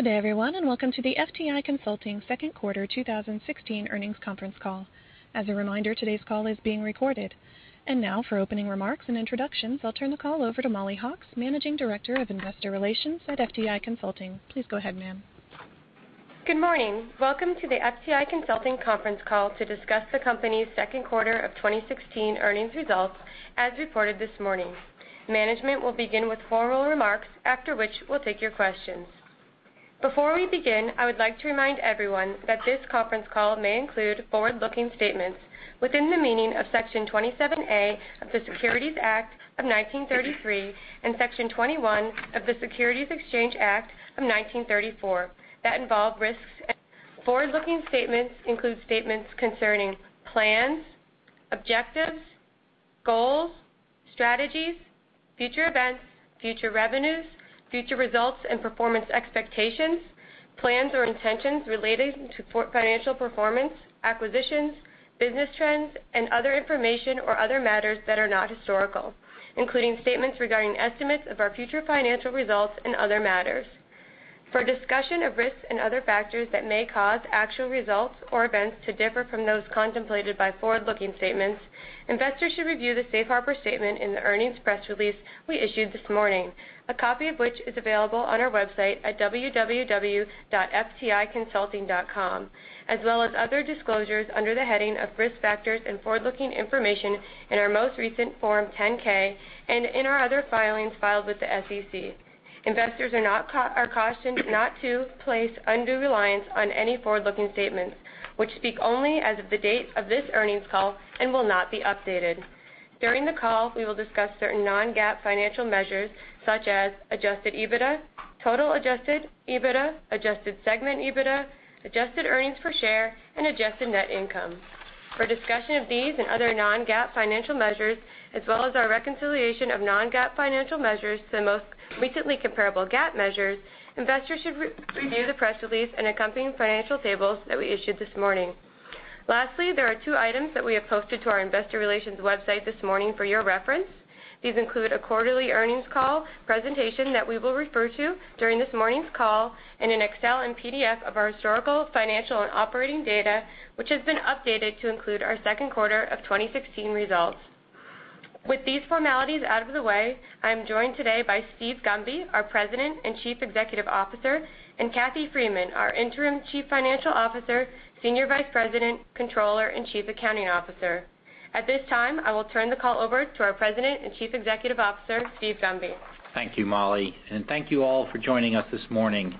Good day, everyone, welcome to the FTI Consulting second quarter 2016 earnings conference call. As a reminder, today's call is being recorded. Now for opening remarks and introductions, I'll turn the call over to Mollie Hawkes, Managing Director of Investor Relations at FTI Consulting. Please go ahead, ma'am. Good morning. Welcome to the FTI Consulting conference call to discuss the company's second quarter of 2016 earnings results, as reported this morning. Management will begin with formal remarks, after which we'll take your questions. Before we begin, I would like to remind everyone that this conference call may include forward-looking statements within the meaning of Section 27A of the Securities Act of 1933 and Section 21E of the Securities Exchange Act of 1934 that involve risks. Forward-looking statements include statements concerning plans, objectives, goals, strategies, future events, future revenues, future results and performance expectations, plans or intentions relating to financial performance, acquisitions, business trends, and other information or other matters that are not historical, including statements regarding estimates of our future financial results and other matters. For a discussion of risks and other factors that may cause actual results or events to differ from those contemplated by forward-looking statements, investors should review the safe harbor statement in the earnings press release we issued this morning, a copy of which is available on our website at www.fticonsulting.com, as well as other disclosures under the heading of Risk Factors and Forward-Looking Information in our most recent Form 10-K and in our other filings filed with the SEC. Investors are cautioned not to place undue reliance on any forward-looking statements, which speak only as of the date of this earnings call and will not be updated. During the call, we will discuss certain non-GAAP financial measures such as adjusted EBITDA, total adjusted EBITDA, adjusted segment EBITDA, adjusted earnings per share, and adjusted net income. For a discussion of these and other non-GAAP financial measures, as well as our reconciliation of non-GAAP financial measures to the most recently comparable GAAP measures, investors should review the press release and accompanying financial tables that we issued this morning. Lastly, there are two items that we have posted to our investor relations website this morning for your reference. These include a quarterly earnings call presentation that we will refer to during this morning's call and an Excel and PDF of our historical financial and operating data, which has been updated to include our second quarter of 2016 results. With these formalities out of the way, I am joined today by Steven Gunby, our President and Chief Executive Officer, and Catherine Freeman, our interim Chief Financial Officer, Senior Vice President, Controller, and Chief Accounting Officer. At this time, I will turn the call over to our President and Chief Executive Officer, Steven Gunby. Thank you, Mollie. Thank you all for joining us this morning.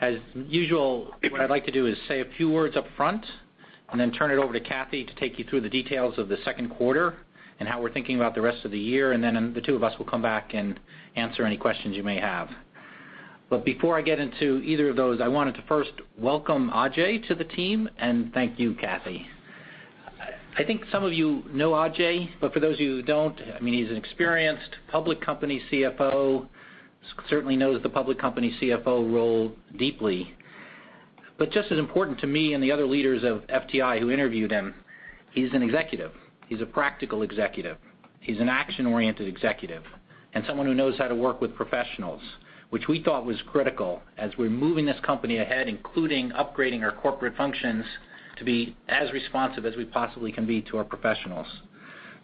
As usual, what I'd like to do is say a few words up front then turn it over to Kathy to take you through the details of the second quarter and how we're thinking about the rest of the year, then the two of us will come back and answer any questions you may have. Before I get into either of those, I wanted to first welcome Ajay to the team, and thank you, Kathy. I think some of you know Ajay, but for those of you who don't, he's an experienced public company CFO, certainly knows the public company CFO role deeply. Just as important to me and the other leaders of FTI who interviewed him, he's an executive. He's a practical executive. He's an action-oriented executive someone who knows how to work with professionals, which we thought was critical as we're moving this company ahead, including upgrading our corporate functions to be as responsive as we possibly can be to our professionals.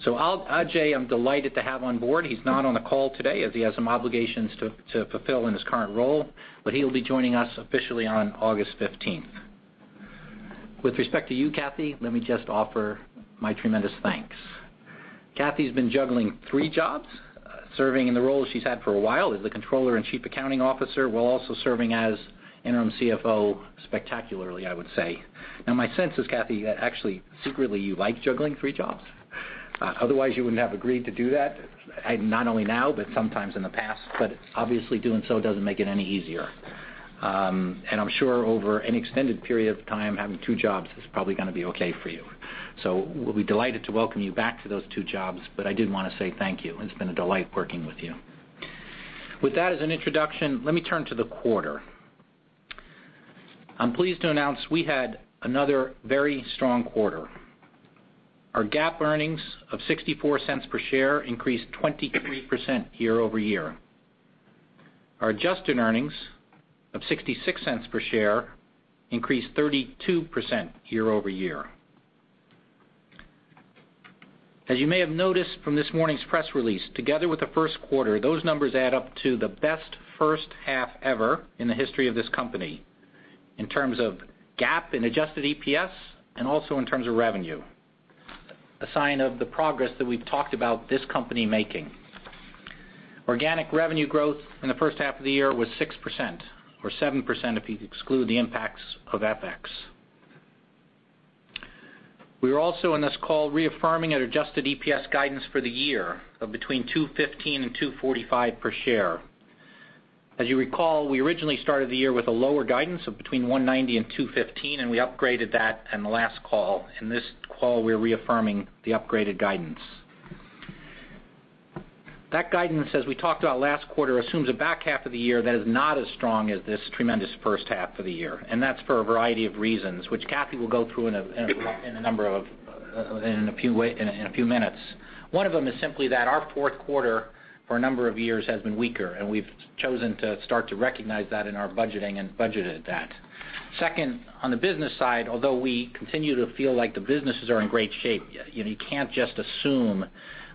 Ajay, I'm delighted to have on board. He's not on the call today as he has some obligations to fulfill in his current role, but he'll be joining us officially on August 15th. With respect to you, Kathy, let me just offer my tremendous thanks. Kathy's been juggling three jobs, serving in the role she's had for a while as the Controller and Chief Accounting Officer, while also serving as interim CFO spectacularly, I would say. My sense is, Kathy, that actually, secretly, you like juggling three jobs. Otherwise, you wouldn't have agreed to do that, not only now, but sometimes in the past. Obviously doing so doesn't make it any easier. I'm sure over an extended period of time, having two jobs is probably going to be okay for you. We'll be delighted to welcome you back to those two jobs. I did want to say thank you, and it's been a delight working with you. With that as an introduction, let me turn to the quarter. I'm pleased to announce we had another very strong quarter. Our GAAP earnings of $0.64 per share increased 23% year-over-year. Our adjusted earnings of $0.66 per share increased 32% year-over-year. As you may have noticed from this morning's press release, together with the first quarter, those numbers add up to the best first half ever in the history of this company in terms of GAAP and adjusted EPS and also in terms of revenue. A sign of the progress that we've talked about this company making. Organic revenue growth in the first half of the year was 6%, or 7% if you exclude the impacts of FX. We are also in this call reaffirming an adjusted EPS guidance for the year of between $2.15 and $2.45 per share. As you recall, we originally started the year with a lower guidance of between $1.90 and $2.15, and we upgraded that in the last call. In this call, we're reaffirming the upgraded guidance. That guidance, as we talked about last quarter, assumes a back half of the year that is not as strong as this tremendous first half of the year, and that's for a variety of reasons, which Kathy will go through in a few minutes. One of them is simply that our fourth quarter for a number of years has been weaker, and we've chosen to start to recognize that in our budgeting and budgeted that. Second, on the business side, although we continue to feel like the businesses are in great shape, you can't just assume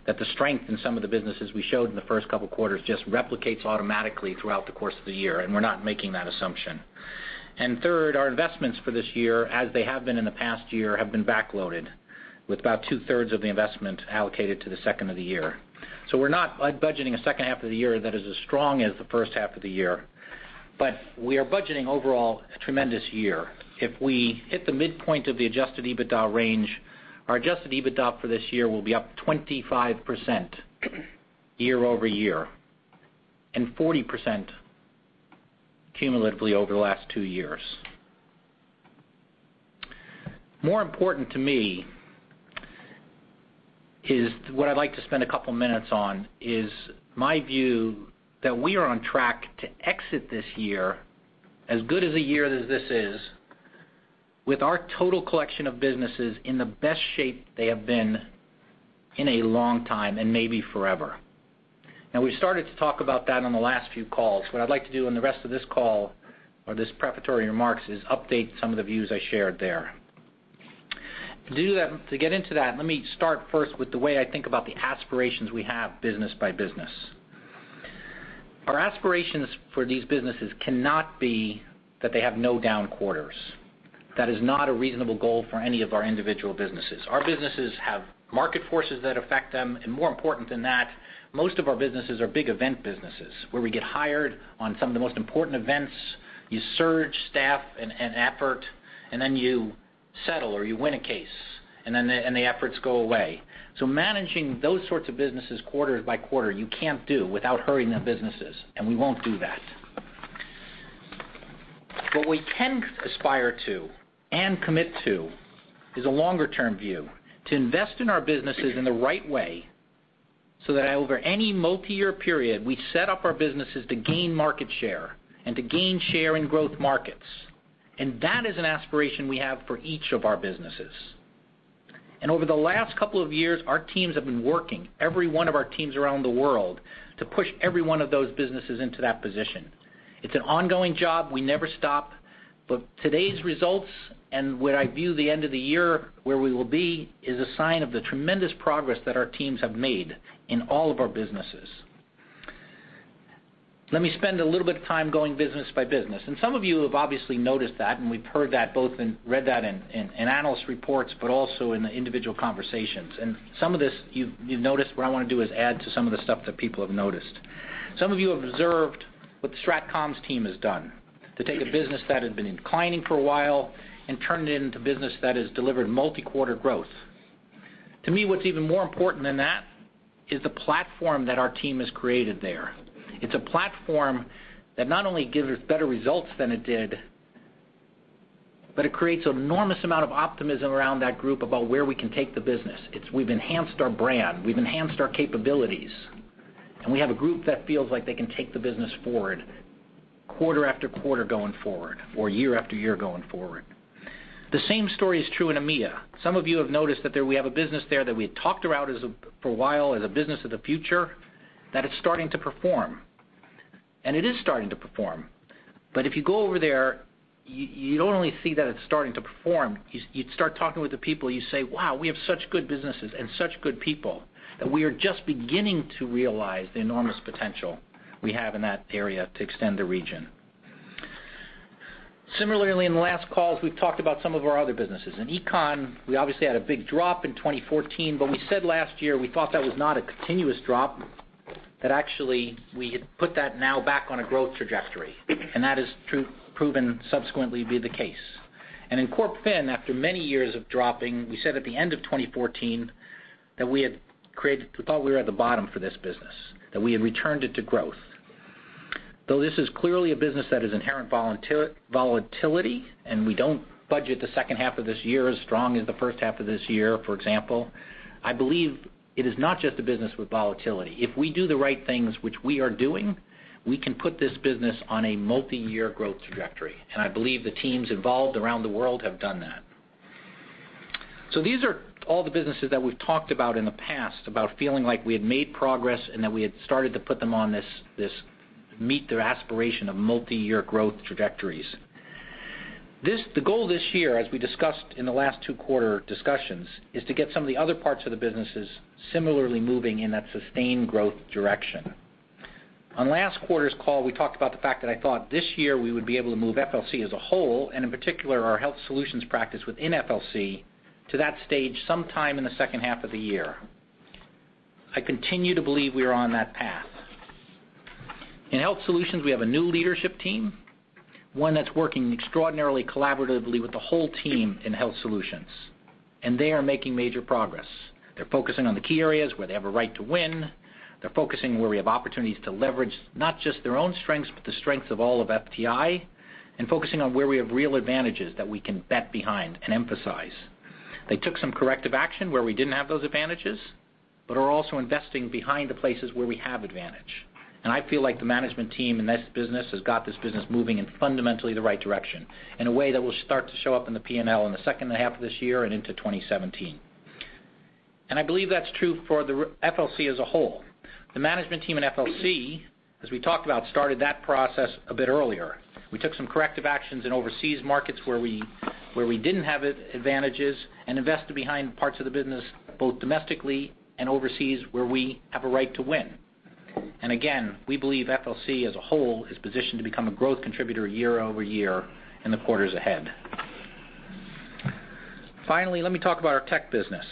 that the strength in some of the businesses we showed in the first couple of quarters just replicates automatically throughout the course of the year, and we're not making that assumption. Third, our investments for this year, as they have been in the past year, have been back-loaded with about two-thirds of the investment allocated to the second of the year. We're not budgeting a second half of the year that is as strong as the first half of the year, but we are budgeting overall a tremendous year. If we hit the midpoint of the adjusted EBITDA range, our adjusted EBITDA for this year will be up 25% year-over-year and 40% cumulatively over the last two years. More important to me is what I'd like to spend a couple of minutes on, is my view that we are on track to exit this year, as good as a year as this is, with our total collection of businesses in the best shape they have been in a long time and maybe forever. Now, we started to talk about that on the last few calls. What I'd like to do on the rest of this call or this preparatory remarks is update some of the views I shared there. To get into that, let me start first with the way I think about the aspirations we have business by business. Our aspirations for these businesses cannot be that they have no down quarters. That is not a reasonable goal for any of our individual businesses. Our businesses have market forces that affect them, and more important than that, most of our businesses are big event businesses, where we get hired on some of the most important events. You surge staff and effort, and then you settle or you win a case, and the efforts go away. Managing those sorts of businesses quarter by quarter, you can't do without hurting the businesses, and we won't do that. What we can aspire to and commit to is a longer-term view to invest in our businesses in the right way so that over any multi-year period, we set up our businesses to gain market share and to gain share in growth markets. That is an aspiration we have for each of our businesses. Over the last couple of years, our teams have been working, every one of our teams around the world, to push every one of those businesses into that position. It's an ongoing job. We never stop, but today's results and where I view the end of the year, where we will be, is a sign of the tremendous progress that our teams have made in all of our businesses. Let me spend a little bit of time going business by business. Some of you have obviously noticed that, and we've heard that both and read that in analyst reports, but also in the individual conversations. Some of this you've noticed. What I want to do is add to some of the stuff that people have noticed. Some of you have observed what the Stratcom team has done to take a business that had been inclining for a while and turn it into a business that has delivered multi-quarter growth. To me, what's even more important than that is the platform that our team has created there. It's a platform that not only gives us better results than it did, but it creates enormous amount of optimism around that group about where we can take the business. We've enhanced our brand, we've enhanced our capabilities, and we have a group that feels like they can take the business forward quarter after quarter going forward or year after year going forward. The same story is true in EMEA. Some of you have noticed that we have a business there that we had talked about for a while as a business of the future that is starting to perform. It is starting to perform. If you go over there, you don't only see that it's starting to perform, you'd start talking with the people, you say, "Wow, we have such good businesses and such good people that we are just beginning to realize the enormous potential we have in that area to extend the region." Similarly, in the last calls, we've talked about some of our other businesses. In Econ, we obviously had a big drop in 2014, but we said last year we thought that was not a continuous drop, that actually we had put that now back on a growth trajectory, and that has proven subsequently to be the case. In Corp Fin, after many years of dropping, we said at the end of 2014 that we thought we were at the bottom for this business, that we had returned it to growth. Though this is clearly a business that is inherent volatility, we don't budget the second half of this year as strong as the first half of this year, for example. I believe it is not just a business with volatility. If we do the right things, which we are doing, we can put this business on a multi-year growth trajectory. I believe the teams involved around the world have done that. These are all the businesses that we've talked about in the past about feeling like we had made progress and that we had started to put them on this meet-their-aspiration of multi-year growth trajectories. The goal this year, as we discussed in the last two quarter discussions, is to get some of the other parts of the businesses similarly moving in that sustained growth direction. On last quarter's call, we talked about the fact that I thought this year we would be able to move FLC as a whole, and in particular, our Health Solutions practice within FLC to that stage sometime in the second half of the year. I continue to believe we are on that path. In Health Solutions, we have a new leadership team, one that's working extraordinarily collaboratively with the whole team in Health Solutions, and they are making major progress. They're focusing on the key areas where they have a right to win. They're focusing where we have opportunities to leverage not just their own strengths, but the strengths of all of FTI, and focusing on where we have real advantages that we can bet behind and emphasize. They took some corrective action where we didn't have those advantages. We're also investing behind the places where we have advantage. I feel like the management team in this business has got this business moving in fundamentally the right direction in a way that will start to show up in the P&L in the second half of this year and into 2017. I believe that's true for the FLC as a whole. The management team in FLC, as we talked about, started that process a bit earlier. We took some corrective actions in overseas markets where we didn't have advantages and invested behind parts of the business, both domestically and overseas, where we have a right to win. Again, we believe FLC as a whole is positioned to become a growth contributor year-over-year in the quarters ahead. Finally, let me talk about our tech business.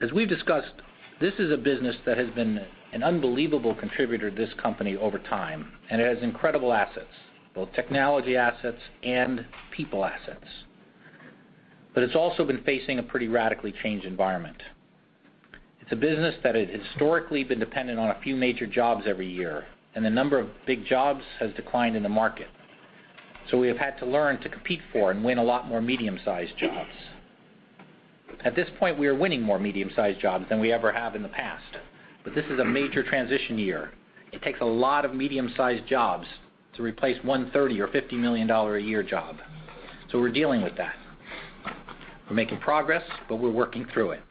As we've discussed, this is a business that has been an unbelievable contributor to this company over time, and it has incredible assets, both technology assets and people assets. It's also been facing a pretty radically changed environment. It's a business that had historically been dependent on a few major jobs every year, and the number of big jobs has declined in the market. We have had to learn to compete for and win a lot more medium-sized jobs. At this point, we are winning more medium-sized jobs than we ever have in the past. This is a major transition year. It takes a lot of medium-sized jobs to replace one $30 or $50 million a year job. We're dealing with that. We're making progress, but we're working through it.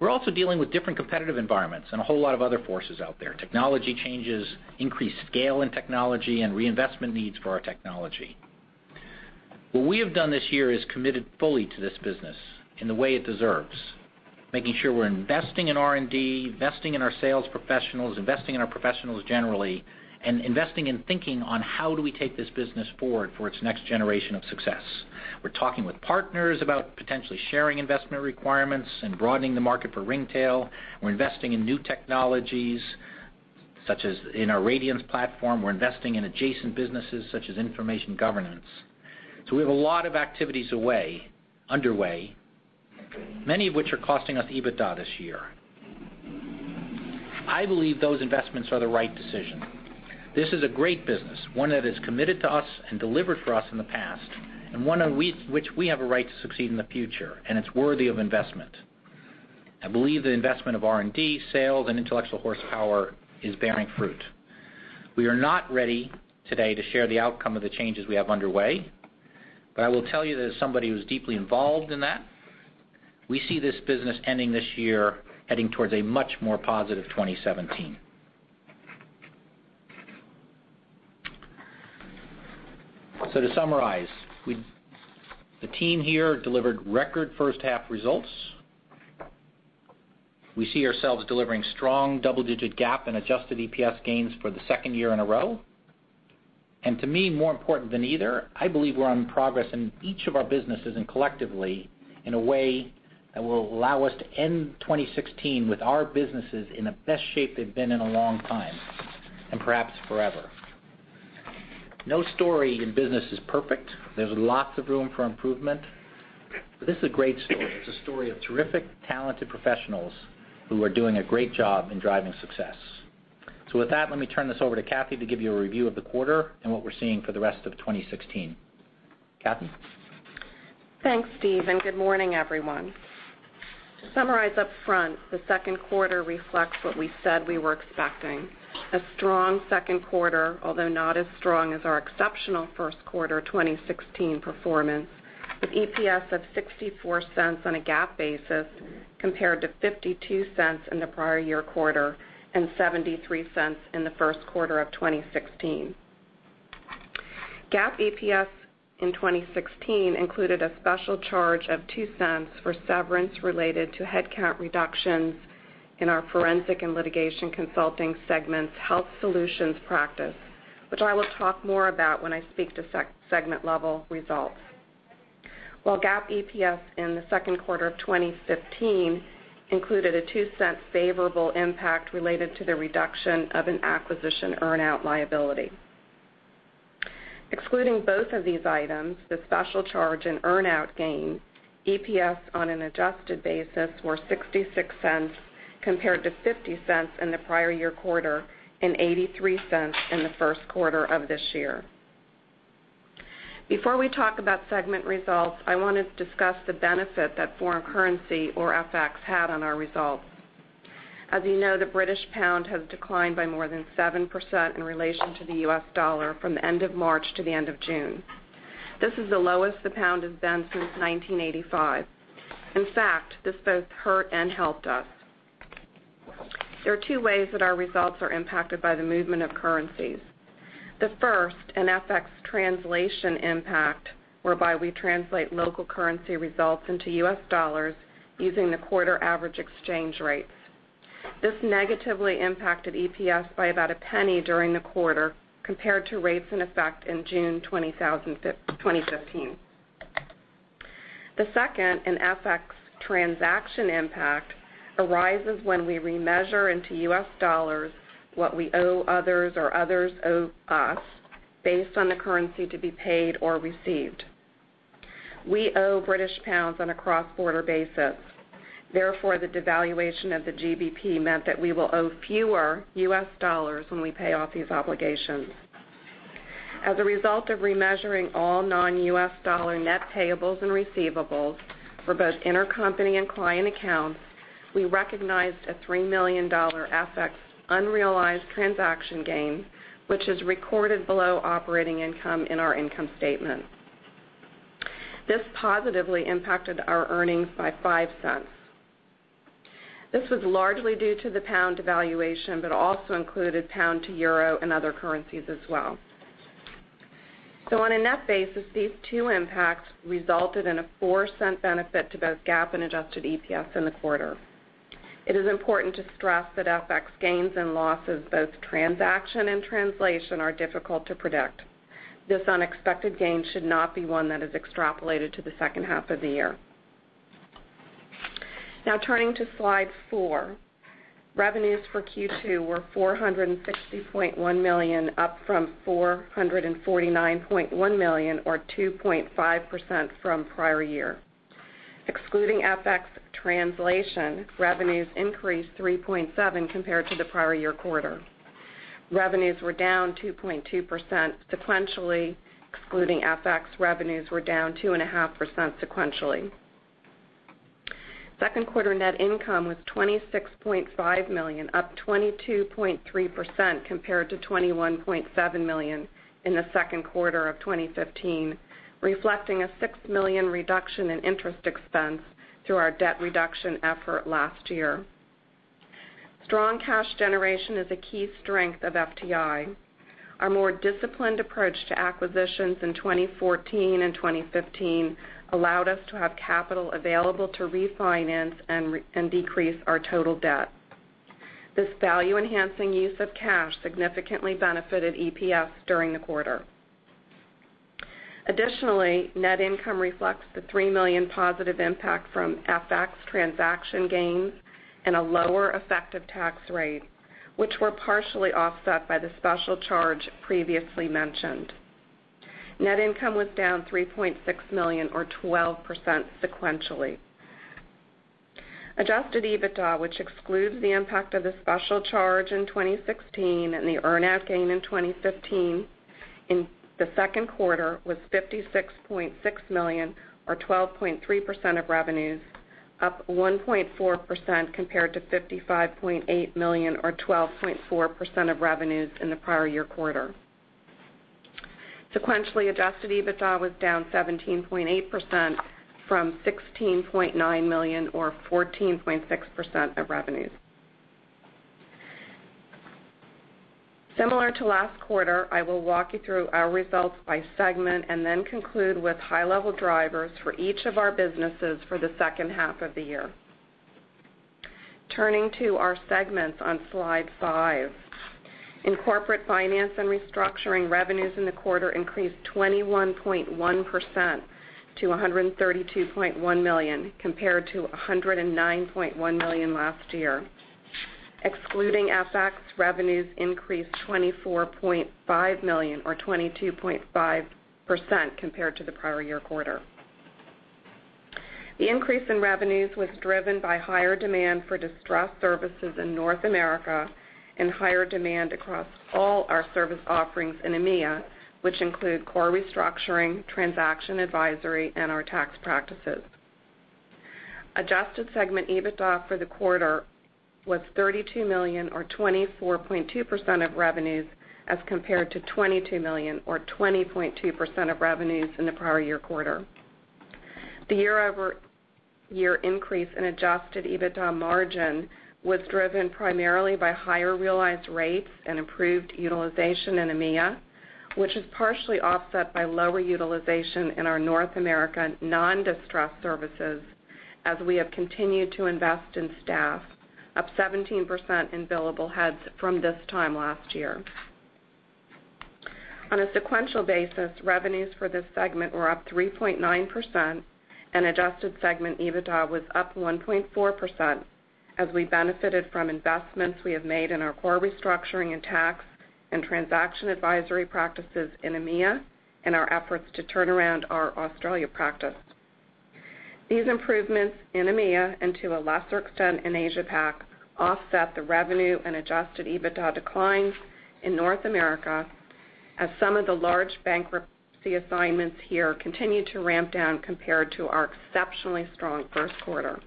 We're also dealing with different competitive environments and a whole lot of other forces out there. Technology changes, increased scale in technology, and reinvestment needs for our technology. What we have done this year is committed fully to this business in the way it deserves, making sure we're investing in R&D, investing in our sales professionals, investing in our professionals generally, and investing in thinking on how do we take this business forward for its next generation of success. We're talking with partners about potentially sharing investment requirements and broadening the market for Ringtail. We're investing in new technologies, such as in our Radiance platform. We're investing in adjacent businesses such as information governance. We have a lot of activities underway, many of which are costing us EBITDA this year. I believe those investments are the right decision. This is a great business, one that has committed to us and delivered for us in the past, and one in which we have a right to succeed in the future, and it's worthy of investment. I believe the investment of R&D, sales, and intellectual horsepower is bearing fruit. We are not ready today to share the outcome of the changes we have underway, but I will tell you that as somebody who's deeply involved in that, we see this business ending this year heading towards a much more positive 2017. To summarize, the team here delivered record first half results. We see ourselves delivering strong double-digit GAAP and adjusted EPS gains for the second year in a row. To me, more important than either, I believe we're on progress in each of our businesses and collectively in a way that will allow us to end 2016 with our businesses in the best shape they've been in a long time, and perhaps forever. No story in business is perfect. There's lots of room for improvement, this is a great story. It's a story of terrific, talented professionals who are doing a great job in driving success. With that, let me turn this over to Kathy to give you a review of the quarter and what we're seeing for the rest of 2016. Kathy? Thanks, Steve, and good morning, everyone. To summarize upfront, the second quarter reflects what we said we were expecting. A strong second quarter, although not as strong as our exceptional first quarter 2016 performance, with EPS of $0.64 on a GAAP basis compared to $0.52 in the prior year quarter and $0.73 in the first quarter of 2016. GAAP EPS in 2016 included a special charge of $0.02 for severance related to headcount reductions in our Forensic and Litigation Consulting segment's Health Solutions practice, which I will talk more about when I speak to segment-level results. While GAAP EPS in the second quarter of 2015 included a $0.02 favorable impact related to the reduction of an acquisition earn-out liability. Excluding both of these items, the special charge and earn-out gain, EPS on an adjusted basis were $0.66 compared to $0.50 in the prior year quarter and $0.83 in the first quarter of this year. Before we talk about segment results, I want to discuss the benefit that foreign currency or FX had on our results. As you know, the British pound has declined by more than 7% in relation to the US dollar from the end of March to the end of June. This is the lowest the pound has been since 1985. In fact, this both hurt and helped us. There are two ways that our results are impacted by the movement of currencies. The first, an FX translation impact, whereby we translate local currency results into US dollars using the quarter average exchange rates. This negatively impacted EPS by about $0.01 during the quarter compared to rates in effect in June 2015. The second, an FX transaction impact, arises when we remeasure into US dollars what we owe others or others owe us based on the currency to be paid or received. We owe GBP on a cross-border basis. Therefore, the devaluation of the GBP meant that we will owe fewer US dollars when we pay off these obligations. As a result of remeasuring all non-US dollar net payables and receivables for both intercompany and client accounts, we recognized a $3 million FX unrealized transaction gain, which is recorded below operating income in our income statement. This positively impacted our earnings by $0.05. This was largely due to the GBP devaluation, but also included GBP to EUR and other currencies as well. On a net basis, these two impacts resulted in a $0.04 benefit to both GAAP and adjusted EPS in the quarter. It is important to stress that FX gains and losses, both transaction and translation, are difficult to predict. This unexpected gain should not be one that is extrapolated to the second half of the year. Now turning to slide four. Revenues for Q2 were $460.1 million, up from $449.1 million or 2.5% from prior year. Excluding FX translation, revenues increased 3.7% compared to the prior year quarter. Revenues were down 2.2% sequentially. Excluding FX, revenues were down 2.5% sequentially. Second quarter net income was $26.5 million, up 22.3% compared to $21.7 million in the second quarter of 2015, reflecting a $6 million reduction in interest expense through our debt reduction effort last year. Strong cash generation is a key strength of FTI. Our more disciplined approach to acquisitions in 2014 and 2015 allowed us to have capital available to refinance and decrease our total debt. This value-enhancing use of cash significantly benefited EPS during the quarter. Additionally, net income reflects the $3 million positive impact from FX transaction gains and a lower effective tax rate, which were partially offset by the special charge previously mentioned. Net income was down $3.6 million or 12% sequentially. Adjusted EBITDA, which excludes the impact of the special charge in 2016 and the earn-out gain in 2015 in the second quarter, was $56.6 million or 12.3% of revenues, up 1.4% compared to $55.8 million or 12.4% of revenues in the prior year quarter. Sequentially, adjusted EBITDA was down 17.8% from $16.9 million or 14.6% of revenues. Similar to last quarter, I will walk you through our results by segment and then conclude with high-level drivers for each of our businesses for the second half of the year. Turning to our segments on slide five. In Corporate Finance & Restructuring, revenues in the quarter increased 21.1% to $132.1 million, compared to $109.1 million last year. Excluding FX, revenues increased $24.5 million or 22.5% compared to the prior year quarter. The increase in revenues was driven by higher demand for distress services in North America and higher demand across all our service offerings in EMEA, which include core restructuring, transaction advisory, and our tax practices. Adjusted segment EBITDA for the quarter was $32 million or 24.2% of revenues as compared to $22 million or 20.2% of revenues in the prior year quarter. The year-over-year increase in adjusted EBITDA margin was driven primarily by higher realized rates and improved utilization in EMEA, which is partially offset by lower utilization in our North America non-distress services as we have continued to invest in staff, up 17% in billable heads from this time last year. On a sequential basis, revenues for this segment were up 3.9% and adjusted segment EBITDA was up 1.4% as we benefited from investments we have made in our core restructuring and tax and transaction advisory practices in EMEA and our efforts to turn around our Australia practice. These improvements in EMEA, and to a lesser extent in Asia-Pac, offset the revenue and adjusted EBITDA declines in North America as some of the large bankruptcy assignments here continue to ramp down compared to our exceptionally strong first quarter.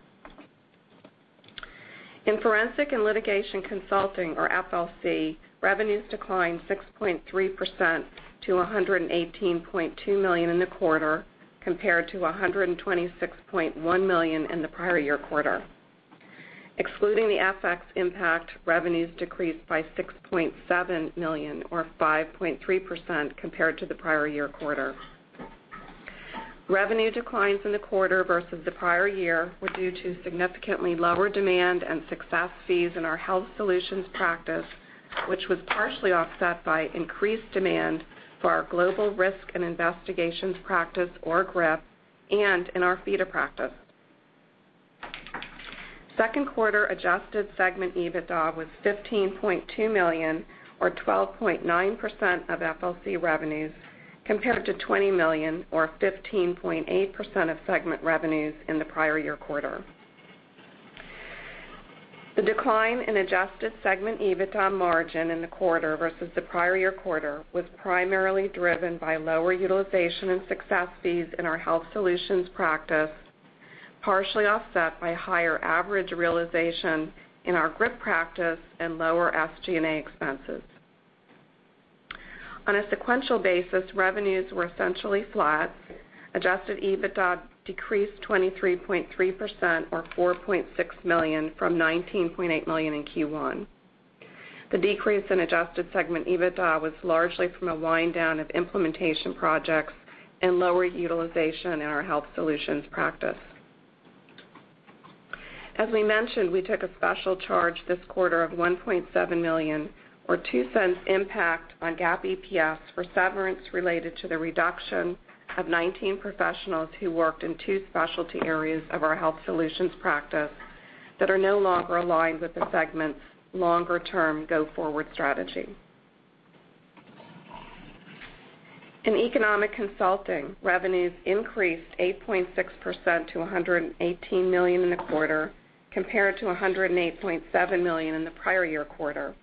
In Forensic and Litigation Consulting, or FLC, revenues declined 6.3% to $118.2 million in the quarter, compared to $126.1 million in the prior year quarter. Excluding the FX impact, revenues decreased by $6.7 million or 5.3% compared to the prior year quarter. Revenue declines in the quarter versus the prior year were due to significantly lower demand and success fees in our Health Solutions practice, which was partially offset by increased demand for our Global Risk and Investigations practice, or GRIP, and in our FIDA practice. Second quarter adjusted segment EBITDA was $15.2 million or 12.9% of FLC revenues, compared to $20 million or 15.8% of segment revenues in the prior year quarter. The decline in adjusted segment EBITDA margin in the quarter versus the prior year quarter was primarily driven by lower utilization and success fees in our Health Solutions practice, partially offset by higher average realization in our GRIP practice and lower SG&A expenses. On a sequential basis, revenues were essentially flat. Adjusted EBITDA decreased 23.3%, or $4.6 million, from $19.8 million in Q1. The decrease in adjusted segment EBITDA was largely from a wind down of implementation projects and lower utilization in our Health Solutions practice. As we mentioned, we took a special charge this quarter of $1.7 million, or $0.02 impact on GAAP EPS for severance related to the reduction of 19 professionals who worked in two specialty areas of our Health Solutions practice that are no longer aligned with the segment's longer-term go-forward strategy. In Economic Consulting, revenues increased 8.6% to $118 million in the quarter, compared to $108.7 million in the prior year quarter.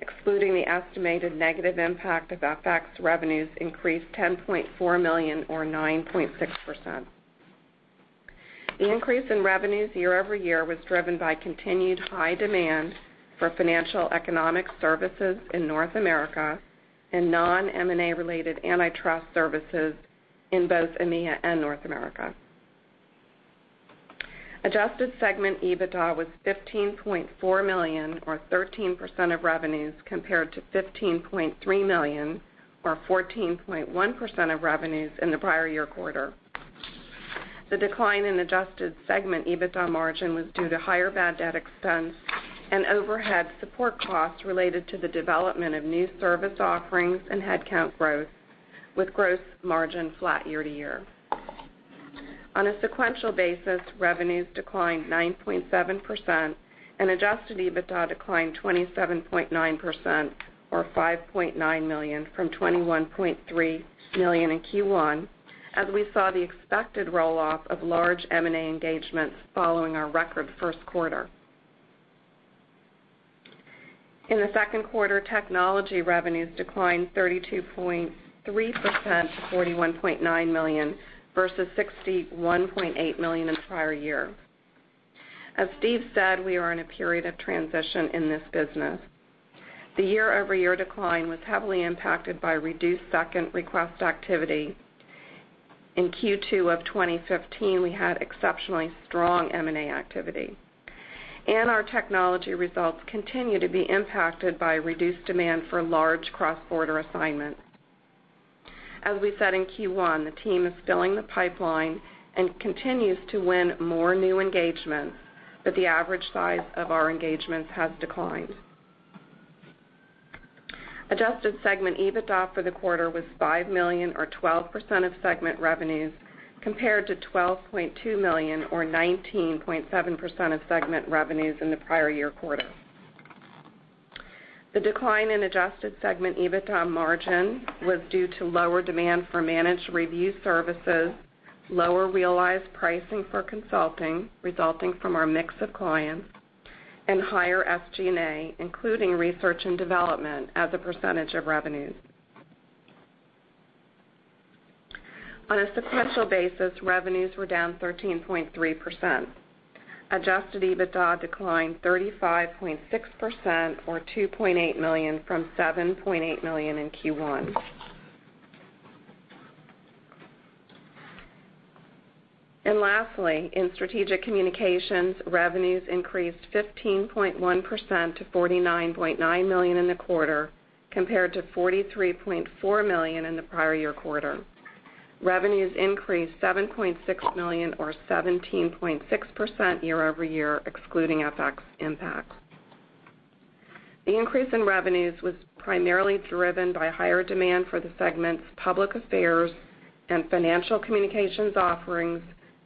Excluding the estimated negative impact of FX revenues increased $10.4 million or 9.6%. The increase in revenues year-over-year was driven by continued high demand for financial economic services in North America and non-M&A related antitrust services in both EMEA and North America. Adjusted segment EBITDA was $15.4 million or 13% of revenues, compared to $15.3 million or 14.1% of revenues in the prior year quarter. The decline in adjusted segment EBITDA margin was due to higher bad debt expense and overhead support costs related to the development of new service offerings and headcount growth, with growth margin flat year-to-year. On a sequential basis, revenues declined 9.7% and adjusted EBITDA declined 27.9%, or $5.9 million, from $21.3 million in Q1, as we saw the expected roll-off of large M&A engagements following our record first quarter. In the second quarter, Technology revenues declined 32.3% to $41.9 million, versus $61.8 million in the prior year. As Steven said, we are in a period of transition in this business. The year-over-year decline was heavily impacted by reduced second request activity. In Q2 of 2015, we had exceptionally strong M&A activity, and our Technology results continue to be impacted by reduced demand for large cross-border assignments. As we said in Q1, the team is filling the pipeline and continues to win more new engagements, but the average size of our engagements has declined. Adjusted segment EBITDA for the quarter was $5 million or 12% of segment revenues, compared to $12.2 million or 19.7% of segment revenues in the prior year quarter. The decline in adjusted segment EBITDA margin was due to lower demand for managed review services, lower realized pricing for consulting resulting from our mix of clients, and higher SG&A, including research and development as a percentage of revenues. On a sequential basis, revenues were down 13.3%. Adjusted EBITDA declined 35.6%, or $2.8 million, from $7.8 million in Q1. Lastly, in Strategic Communications, revenues increased 15.1% to $49.9 million in the quarter, compared to $43.4 million in the prior year quarter. Revenues increased $7.6 million or 17.6% year-over-year excluding FX impact. The increase in revenues was primarily driven by higher demand for the segment's public affairs and financial communications offerings,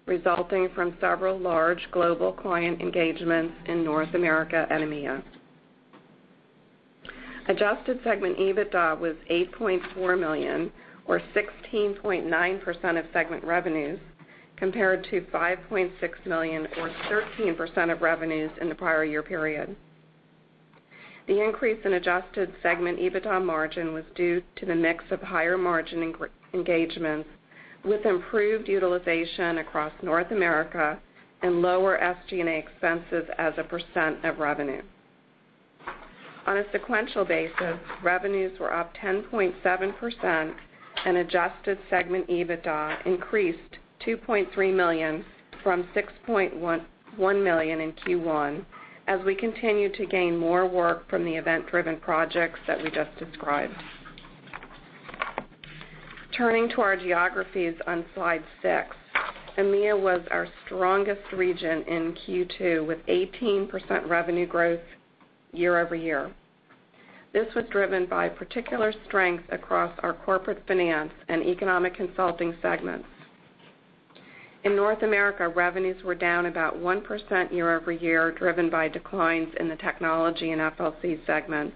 resulting from several large global client engagements in North America and EMEA. Adjusted segment EBITDA was $8.4 million or 16.9% of segment revenues, compared to $5.6 million or 13% of revenues in the prior year period. The increase in adjusted segment EBITDA margin was due to the mix of higher margin engagements with improved utilization across North America and lower SG&A expenses as a % of revenue. On a sequential basis, revenues were up 10.7% and adjusted segment EBITDA increased $2.3 million from $6.1 million in Q1 as we continue to gain more work from the event-driven projects that we just described. Turning to our geographies on slide six. EMEA was our strongest region in Q2 with 18% revenue growth year-over-year. This was driven by particular strength across our Corporate Finance and Economic Consulting segments. In North America, revenues were down about 1% year-over-year, driven by declines in the Technology and FLC segments,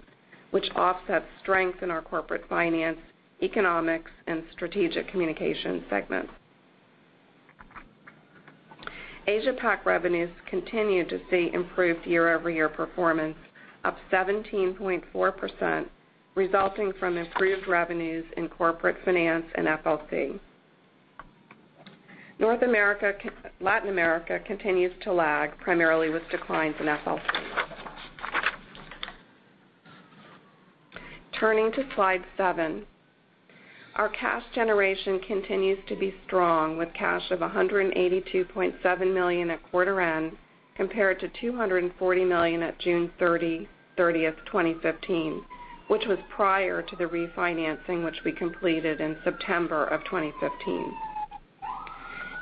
which offset strength in our Corporate Finance, Economics, and Strategic Communication segments. Asia Pac revenues continue to see improved year-over-year performance, up 17.4%, resulting from improved revenues in Corporate Finance and FLC. Latin America continues to lag primarily with declines in FLC. Turning to slide seven. Our cash generation continues to be strong with cash of $182.7 million at quarter end compared to $240 million at June 30th, 2015, which was prior to the refinancing which we completed in September of 2015.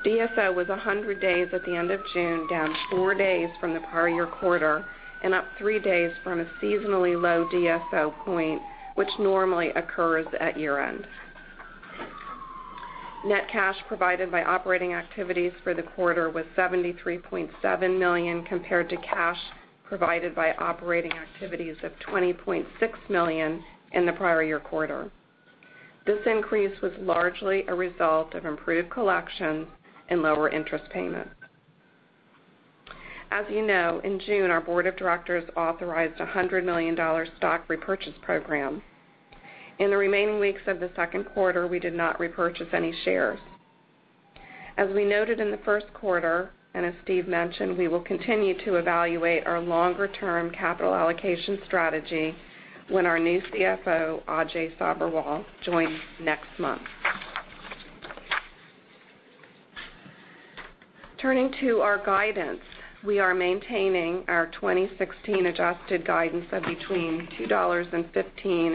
DSO was 100 days at the end of June, down four days from the prior year quarter, and up three days from a seasonally low DSO point, which normally occurs at year-end. Net cash provided by operating activities for the quarter was $73.7 million compared to cash provided by operating activities of $20.6 million in the prior year quarter. This increase was largely a result of improved collections and lower interest payments. As you know, in June, our board of directors authorized a $100 million stock repurchase program. In the remaining weeks of the second quarter, we did not repurchase any shares. As we noted in the first quarter, and as Steve mentioned, we will continue to evaluate our longer-term capital allocation strategy when our new CFO, Ajay Sabherwal, joins next month. Turning to our guidance. We are maintaining our 2016 adjusted guidance of between $2.15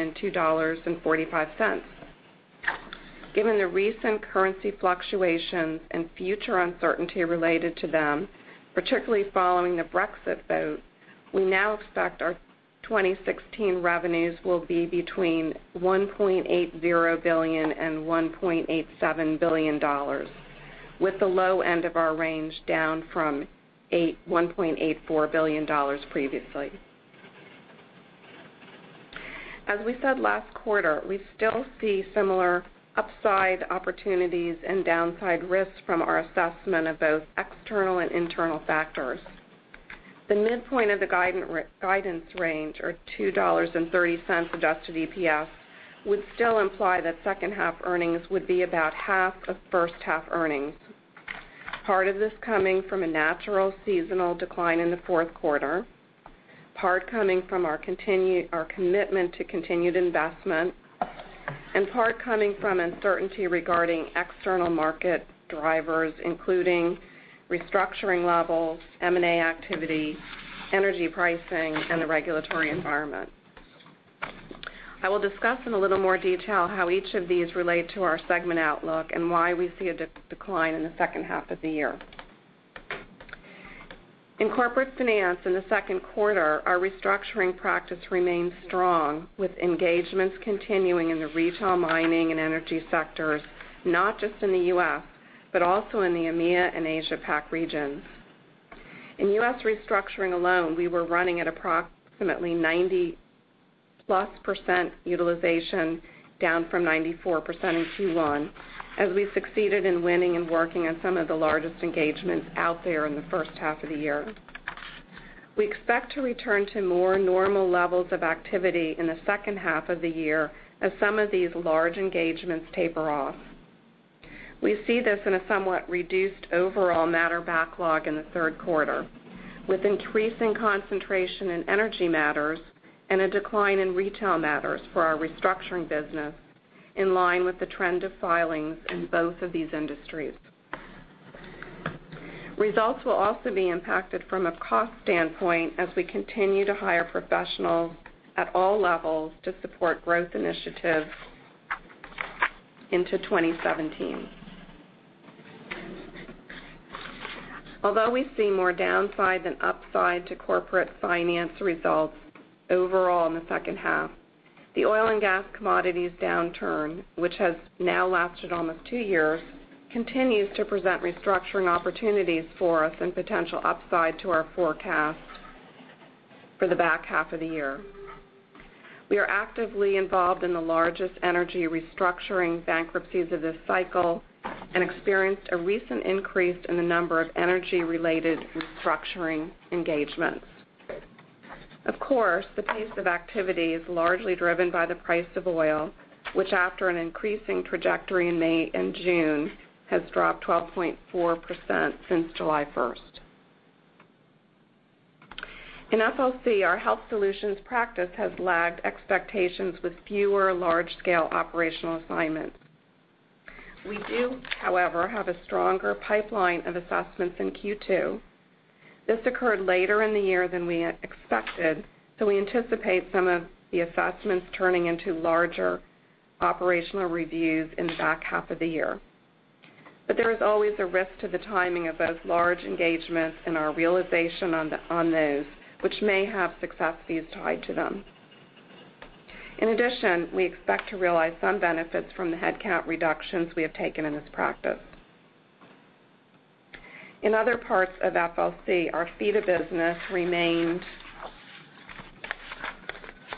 and $2.45. Given the recent currency fluctuations and future uncertainty related to them, particularly following the Brexit vote, we now expect our 2016 revenues will be between $1.80 billion and $1.87 billion, with the low end of our range down from $1.84 billion previously. As we said last quarter, we still see similar upside opportunities and downside risks from our assessment of both external and internal factors. The midpoint of the guidance range, or $2.30 adjusted EPS, would still imply that second half earnings would be about half of first half earnings. Part of this coming from a natural seasonal decline in the fourth quarter, part coming from our commitment to continued investment, and part coming from uncertainty regarding external market drivers, including restructuring levels, M&A activity, energy pricing, and the regulatory environment. I will discuss in a little more detail how each of these relate to our segment outlook and why we see a decline in the second half of the year. In Corporate Finance in the second quarter, our restructuring practice remained strong with engagements continuing in the retail, mining, and energy sectors, not just in the U.S., but also in the EMEA and Asia Pac regions. In U.S. restructuring alone, we were running at approximately 90-plus % utilization, down from 94% in Q1, as we succeeded in winning and working on some of the largest engagements out there in the first half of the year. We expect to return to more normal levels of activity in the second half of the year as some of these large engagements taper off. We see this in a somewhat reduced overall matter backlog in the third quarter, with increasing concentration in energy matters and a decline in retail matters for our restructuring business, in line with the trend of filings in both of these industries. Results will also be impacted from a cost standpoint as we continue to hire professionals at all levels to support growth initiatives into 2017. Although we see more downside than upside to Corporate Finance results overall in the second half, the oil and gas commodities downturn, which has now lasted almost two years, continues to present restructuring opportunities for us and potential upside to our forecast for the back half of the year. We are actively involved in the largest energy restructuring bankruptcies of this cycle and experienced a recent increase in the number of energy-related restructuring engagements. Of course, the pace of activity is largely driven by the price of oil, which after an increasing trajectory in May and June, has dropped 12.4% since July 1st. In FLC, our Health Solutions practice has lagged expectations with fewer large-scale operational assignments. We do, however, have a stronger pipeline of assessments in Q2. This occurred later in the year than we expected, so we anticipate some of the assessments turning into larger operational reviews in the back half of the year. There is always a risk to the timing of those large engagements and our realization on those, which may have success fees tied to them. In addition, we expect to realize some benefits from the headcount reductions we have taken in this practice. In other parts of FLC, our FIDA business remained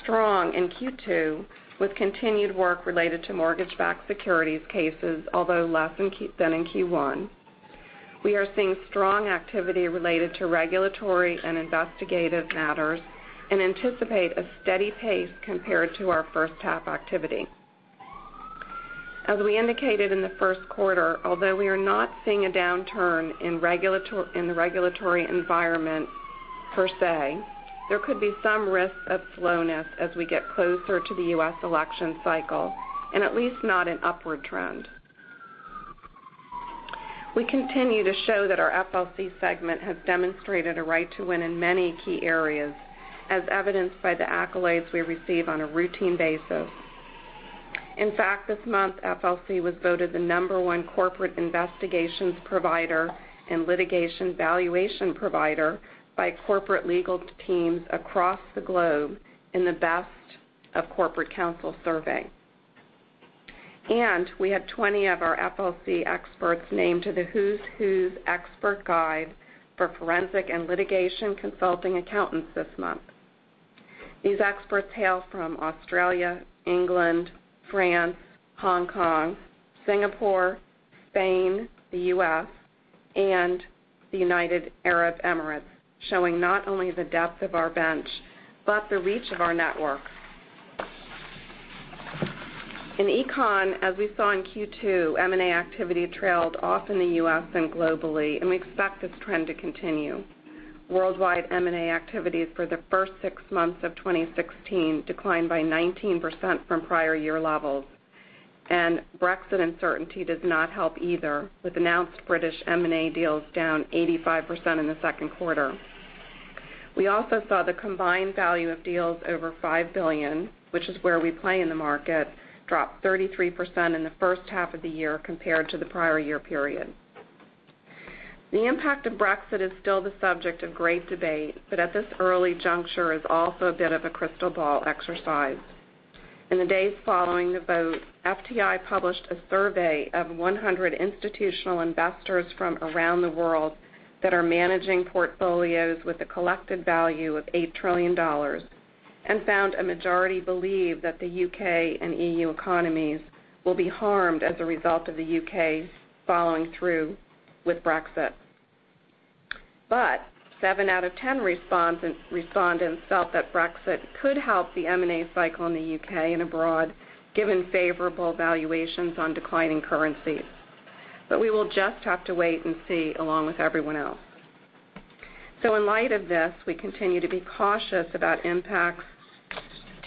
strong in Q2 with continued work related to mortgage-backed securities cases, although less than in Q1. We are seeing strong activity related to regulatory and investigative matters and anticipate a steady pace compared to our first half activity. As we indicated in the first quarter, although we are not seeing a downturn in the regulatory environment per se, there could be some risk of slowness as we get closer to the U.S. election cycle and at least not an upward trend. We continue to show that our FLC segment has demonstrated a right to win in many key areas, as evidenced by the accolades we receive on a routine basis. In fact, this month FLC was voted the number one corporate investigations provider and litigation valuation provider by corporate legal teams across the globe in the Best of Corporate Counsel survey. We had 20 of our FLC experts named to the Who's Who Legal: Consulting Experts this month. These experts hail from Australia, England, France, Hong Kong, Singapore, Spain, the U.S., and the United Arab Emirates, showing not only the depth of our bench, but the reach of our network. In Econ, as we saw in Q2, M&A activity trailed off in the U.S. and globally, and we expect this trend to continue. Worldwide M&A activities for the first six months of 2016 declined by 19% from prior year levels, Brexit uncertainty does not help either with announced British M&A deals down 85% in the second quarter. We also saw the combined value of deals over $5 billion, which is where we play in the market, drop 33% in the first half of the year compared to the prior year period. The impact of Brexit is still the subject of great debate, but at this early juncture is also a bit of a crystal ball exercise. In the days following the vote, FTI published a survey of 100 institutional investors from around the world that are managing portfolios with a collected value of $8 trillion and found a majority believe that the U.K. and E.U. economies will be harmed as a result of the U.K. following through with Brexit. Seven out of 10 respondents felt that Brexit could help the M&A cycle in the U.K. and abroad, given favorable valuations on declining currencies. We will just have to wait and see along with everyone else. In light of this, we continue to be cautious about impacts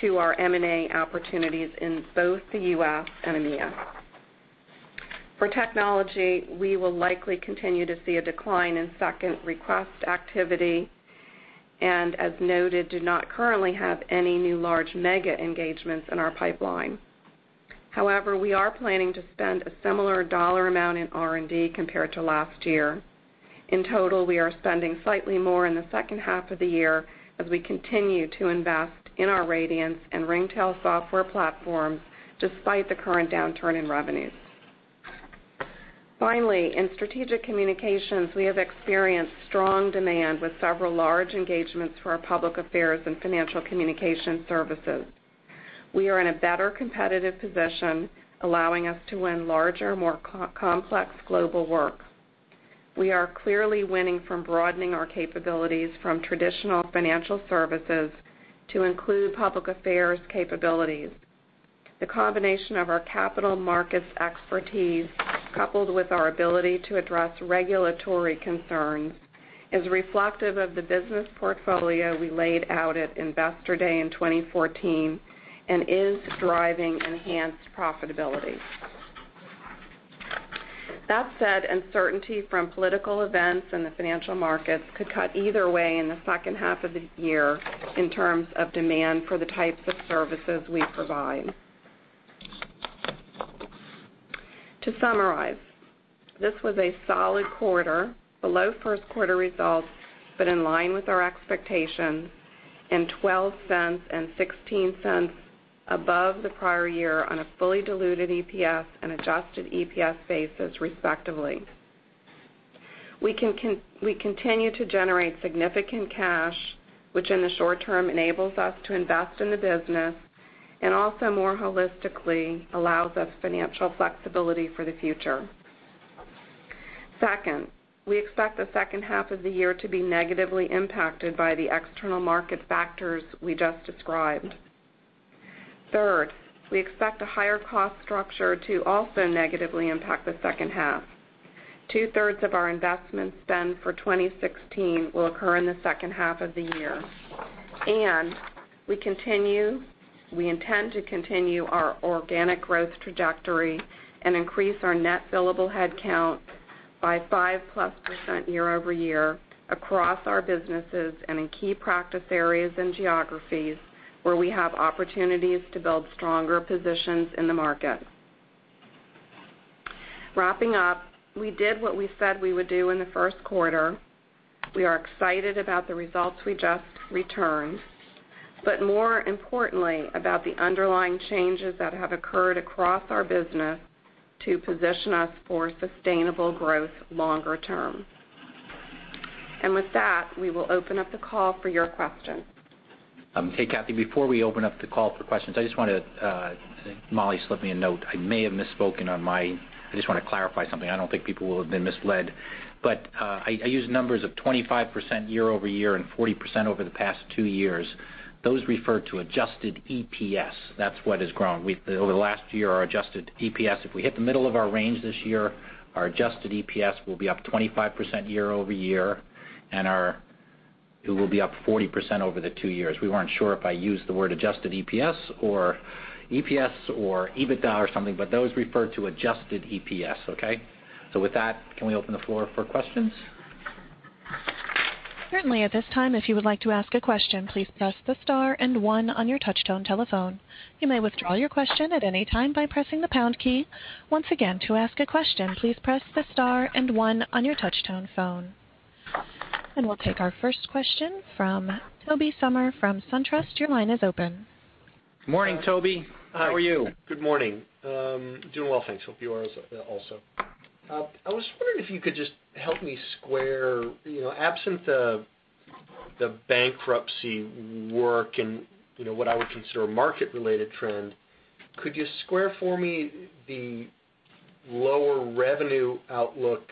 to our M&A opportunities in both the U.S. and EMEA. For technology, we will likely continue to see a decline in second request activity and as noted, do not currently have any new large mega engagements in our pipeline. However, we are planning to spend a similar dollar amount in R&D compared to last year. In total, we are spending slightly more in the second half of the year as we continue to invest in our Radiance and Ringtail software platforms despite the current downturn in revenues. Finally, in strategic communications, we have experienced strong demand with several large engagements for our public affairs and financial communication services. We are in a better competitive position, allowing us to win larger, more complex global work. We are clearly winning from broadening our capabilities from traditional financial services to include public affairs capabilities. The combination of our capital markets expertise, coupled with our ability to address regulatory concerns, is reflective of the business portfolio we laid out at Investor Day in 2014 and is driving enhanced profitability. That said, uncertainty from political events in the financial markets could cut either way in the second half of the year in terms of demand for the types of services we provide. To summarize, this was a solid quarter, below first quarter results, but in line with our expectations and $0.12 and $0.16 above the prior year on a fully diluted EPS and adjusted EPS basis, respectively. We continue to generate significant cash, which in the short term enables us to invest in the business and also more holistically allows us financial flexibility for the future. Second, we expect the second half of the year to be negatively impacted by the external market factors we just described. Third, we expect a higher cost structure to also negatively impact the second half. Two-thirds of our investment spend for 2016 will occur in the second half of the year. We intend to continue our organic growth trajectory and increase our net billable headcount by 5-plus% year-over-year across our businesses and in key practice areas and geographies where we have opportunities to build stronger positions in the market. Wrapping up, we did what we said we would do in the first quarter. We are excited about the results we just returned, but more importantly about the underlying changes that have occurred across our business to position us for sustainable growth longer term. With that, we will open up the call for your questions. Hey, Kathy, before we open up the call for questions, Mollie slipped me a note. I just want to clarify something. I don't think people will have been misled, but I used numbers of 25% year-over-year and 40% over the past two years. Those refer to adjusted EPS. That's what has grown. Over the last year, our adjusted EPS, if we hit the middle of our range this year, our adjusted EPS will be up 25% year-over-year, and it will be up 40% over the two years. We weren't sure if I used the word adjusted EPS or EPS or EBITDA or something, but those refer to adjusted EPS, okay? With that, can we open the floor for questions? Certainly. At this time, if you would like to ask a question, please press the star and one on your touchtone telephone. You may withdraw your question at any time by pressing the pound key. Once again, to ask a question, please press the star and one on your touchtone phone. We'll take our first question from Tobey Sommer from SunTrust. Your line is open. Morning, Tobey. How are you? Good morning. Doing well, thanks. Hope you are also. I was wondering if you could just help me square, absent the bankruptcy work and what I would consider market-related trend, could you square for me the lower revenue outlook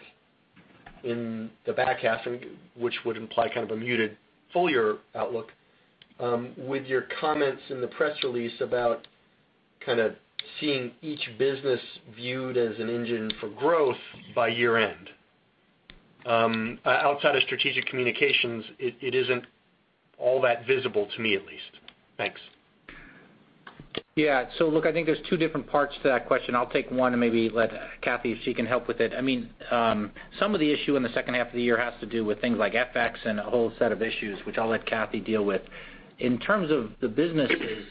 in the back half, which would imply kind of a muted full year outlook, with your comments in the press release about kind of seeing each business viewed as an engine for growth by year-end? Outside of Strategic Communications, it isn't all that visible to me, at least. Thanks. Yeah. Look, I think there's two different parts to that question. I'll take one and maybe let Kathy, if she can help with it. Some of the issue in the second half of the year has to do with things like FX and a whole set of issues, which I'll let Kathy deal with. In terms of the businesses,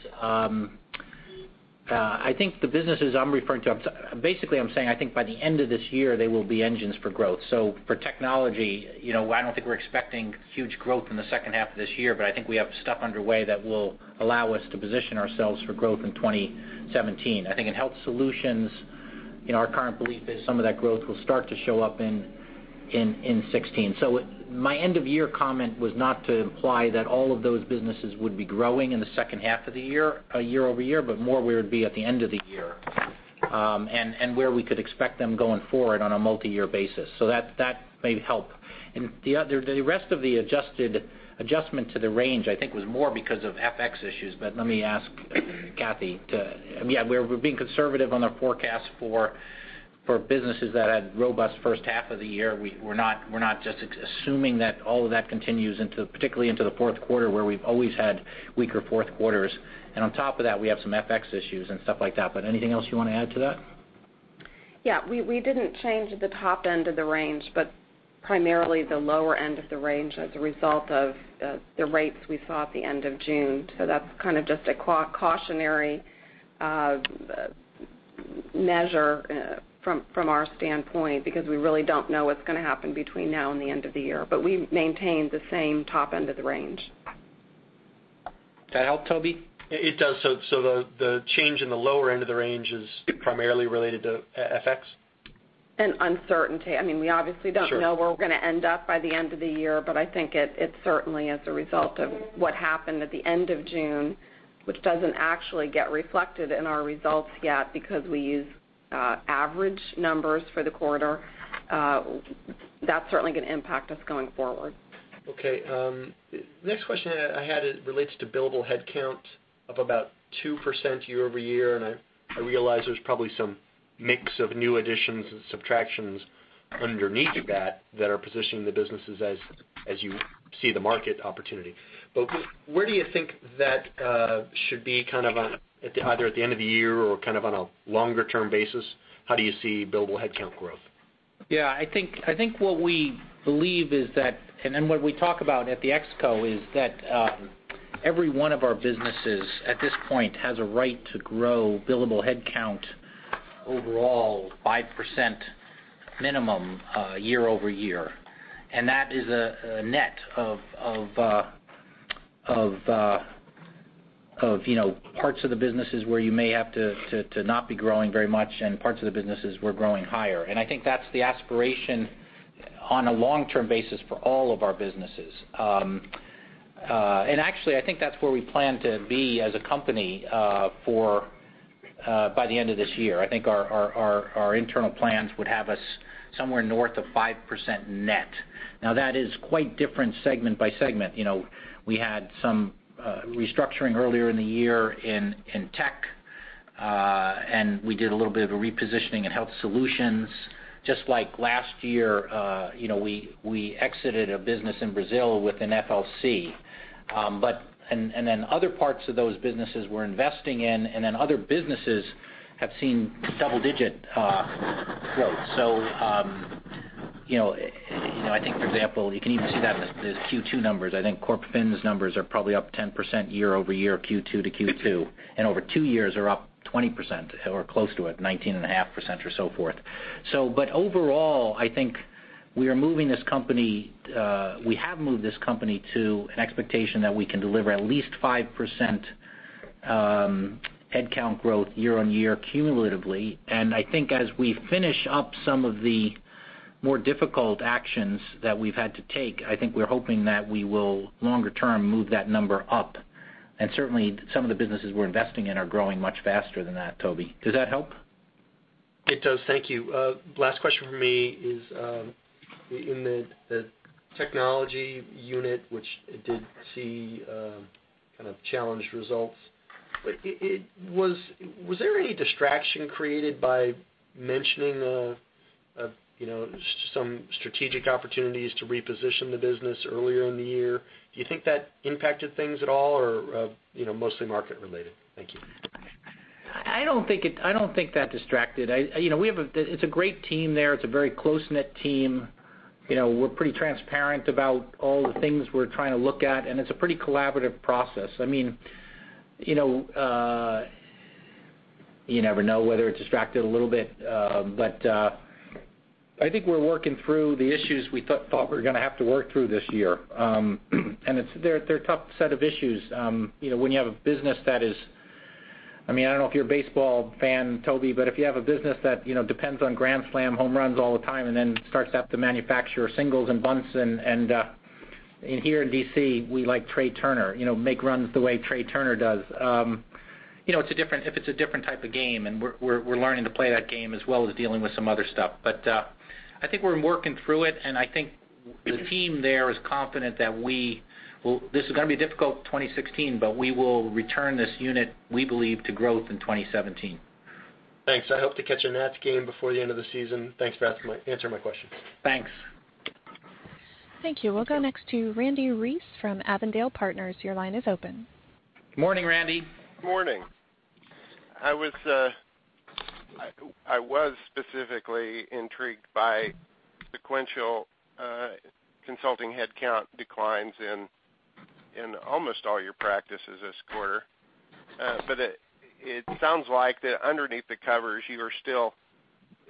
I think the businesses I'm referring to, basically, I'm saying I think by the end of this year, they will be engines for growth. For technology, I don't think we're expecting huge growth in the second half of this year, but I think we have stuff underway that will allow us to position ourselves for growth in 2017. I think in Health Solutions, our current belief is some of that growth will start to show up in 2016. My end-of-year comment was not to imply that all of those businesses would be growing in the second half of the year-over-year, but more where it'd be at the end of the year, and where we could expect them going forward on a multi-year basis. That may help. The rest of the adjustment to the range, I think, was more because of FX issues. Let me ask Kathy to-- We're being conservative on our forecast for businesses that had robust first half of the year. We're not just assuming that all of that continues, particularly into the fourth quarter, where we've always had weaker fourth quarters. On top of that, we have some FX issues and stuff like that. Anything else you want to add to that? Yeah. We didn't change the top end of the range, but primarily the lower end of the range as a result of the rates we saw at the end of June. That's kind of just a cautionary measure from our standpoint, because we really don't know what's going to happen between now and the end of the year. We maintained the same top end of the range. That help Tobey? It does. The change in the lower end of the range is primarily related to FX? Uncertainty. We obviously don't know. Sure where we're going to end up by the end of the year, but I think it certainly is a result of what happened at the end of June, which doesn't actually get reflected in our results yet because we use average numbers for the quarter. That's certainly going to impact us going forward. Okay. Next question I had, it relates to billable headcount up about 2% year-over-year, and I realize there's probably some mix of new additions and subtractions underneath that are positioning the businesses as you see the market opportunity. Where do you think that should be either at the end of the year or kind of on a longer-term basis? How do you see billable headcount growth? I think what we believe is that, what we talk about at the ExCo is that every one of our businesses at this point has a right to grow billable headcount overall 5% minimum year-over-year. That is a net of parts of the businesses where you may have to not be growing very much and parts of the businesses were growing higher. I think that's the aspiration on a long-term basis for all of our businesses. Actually, I think that's where we plan to be as a company by the end of this year. I think our internal plans would have us somewhere north of 5% net. That is quite different segment by segment. We had some restructuring earlier in the year in Tech. We did a little bit of a repositioning in Health Solutions. Just like last year, we exited a business in Brazil with an FLC. Other parts of those businesses we're investing in, other businesses have seen double-digit growth. I think, for example, you can even see that in the Q2 numbers. I think CorpFin's numbers are probably up 10% year-over-year, Q2 to Q2. Over two years are up 20% or close to it, 19.5% or so forth. Overall, I think we have moved this company to an expectation that we can deliver at least 5% headcount growth year-on-year cumulatively. I think as we finish up some of the more difficult actions that we've had to take, I think we're hoping that we will, longer term, move that number up. Certainly, some of the businesses we're investing in are growing much faster than that, Tobey. Does that help? It does. Thank you. Last question from me is, in the Technology unit, which did see kind of challenged results, was there any distraction created by mentioning some strategic opportunities to reposition the business earlier in the year? Do you think that impacted things at all, or mostly market related? Thank you. I don't think that distracted. It's a great team there. It's a very close-knit team. We're pretty transparent about all the things we're trying to look at, and it's a pretty collaborative process. You never know whether it distracted a little bit. I think we're working through the issues we thought we were going to have to work through this year. They're a tough set of issues. When you have a business that is I don't know if you're a baseball fan, Tobey, but if you have a business that depends on grand slam home runs all the time and then starts to have to manufacture singles and bunts and-- Here in D.C., we like Trea Turner, make runs the way Trea Turner does. It's a different type of game, and we're learning to play that game as well as dealing with some other stuff. I think we're working through it, and I think the team there is confident that this is going to be a difficult 2016, but we will return this unit, we believe, to growth in 2017. Thanks. I hope to catch a Nats game before the end of the season. Thanks for answering my question. Thanks. Thank you. We'll go next to Randy Reece from Avondale Partners. Your line is open. Morning, Randy. Morning. I was specifically intrigued by sequential consulting headcount declines in almost all your practices this quarter. It sounds like that underneath the covers, you are still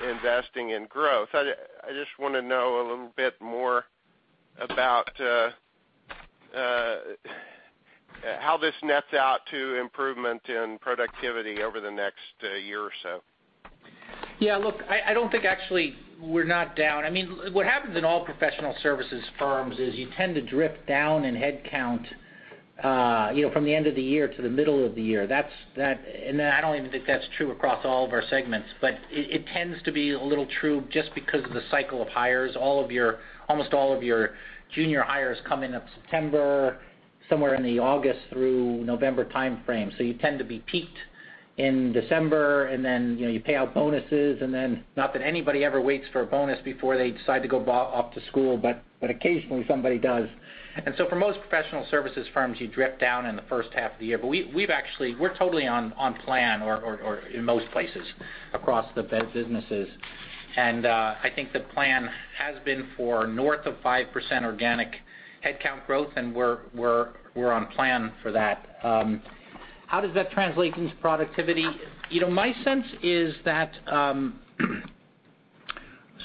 investing in growth. I just want to know a little bit more about how this nets out to improvement in productivity over the next year or so. Yeah, look, I don't think actually we're not down. What happens in all professional services firms is you tend to drift down in headcount from the end of the year to the middle of the year. I don't even think that's true across all of our segments, but it tends to be a little true just because of the cycle of hires. Almost all of your junior hires come in at September, somewhere in the August through November timeframe. You tend to be peaked in December, then you pay out bonuses, not that anybody ever waits for a bonus before they decide to go off to school, but occasionally somebody does. For most professional services firms, you drift down in the first half of the year. We're totally on plan or in most places across the businesses. I think the plan has been for north of 5% organic headcount growth, and we're on plan for that. How does that translate into productivity? My sense is that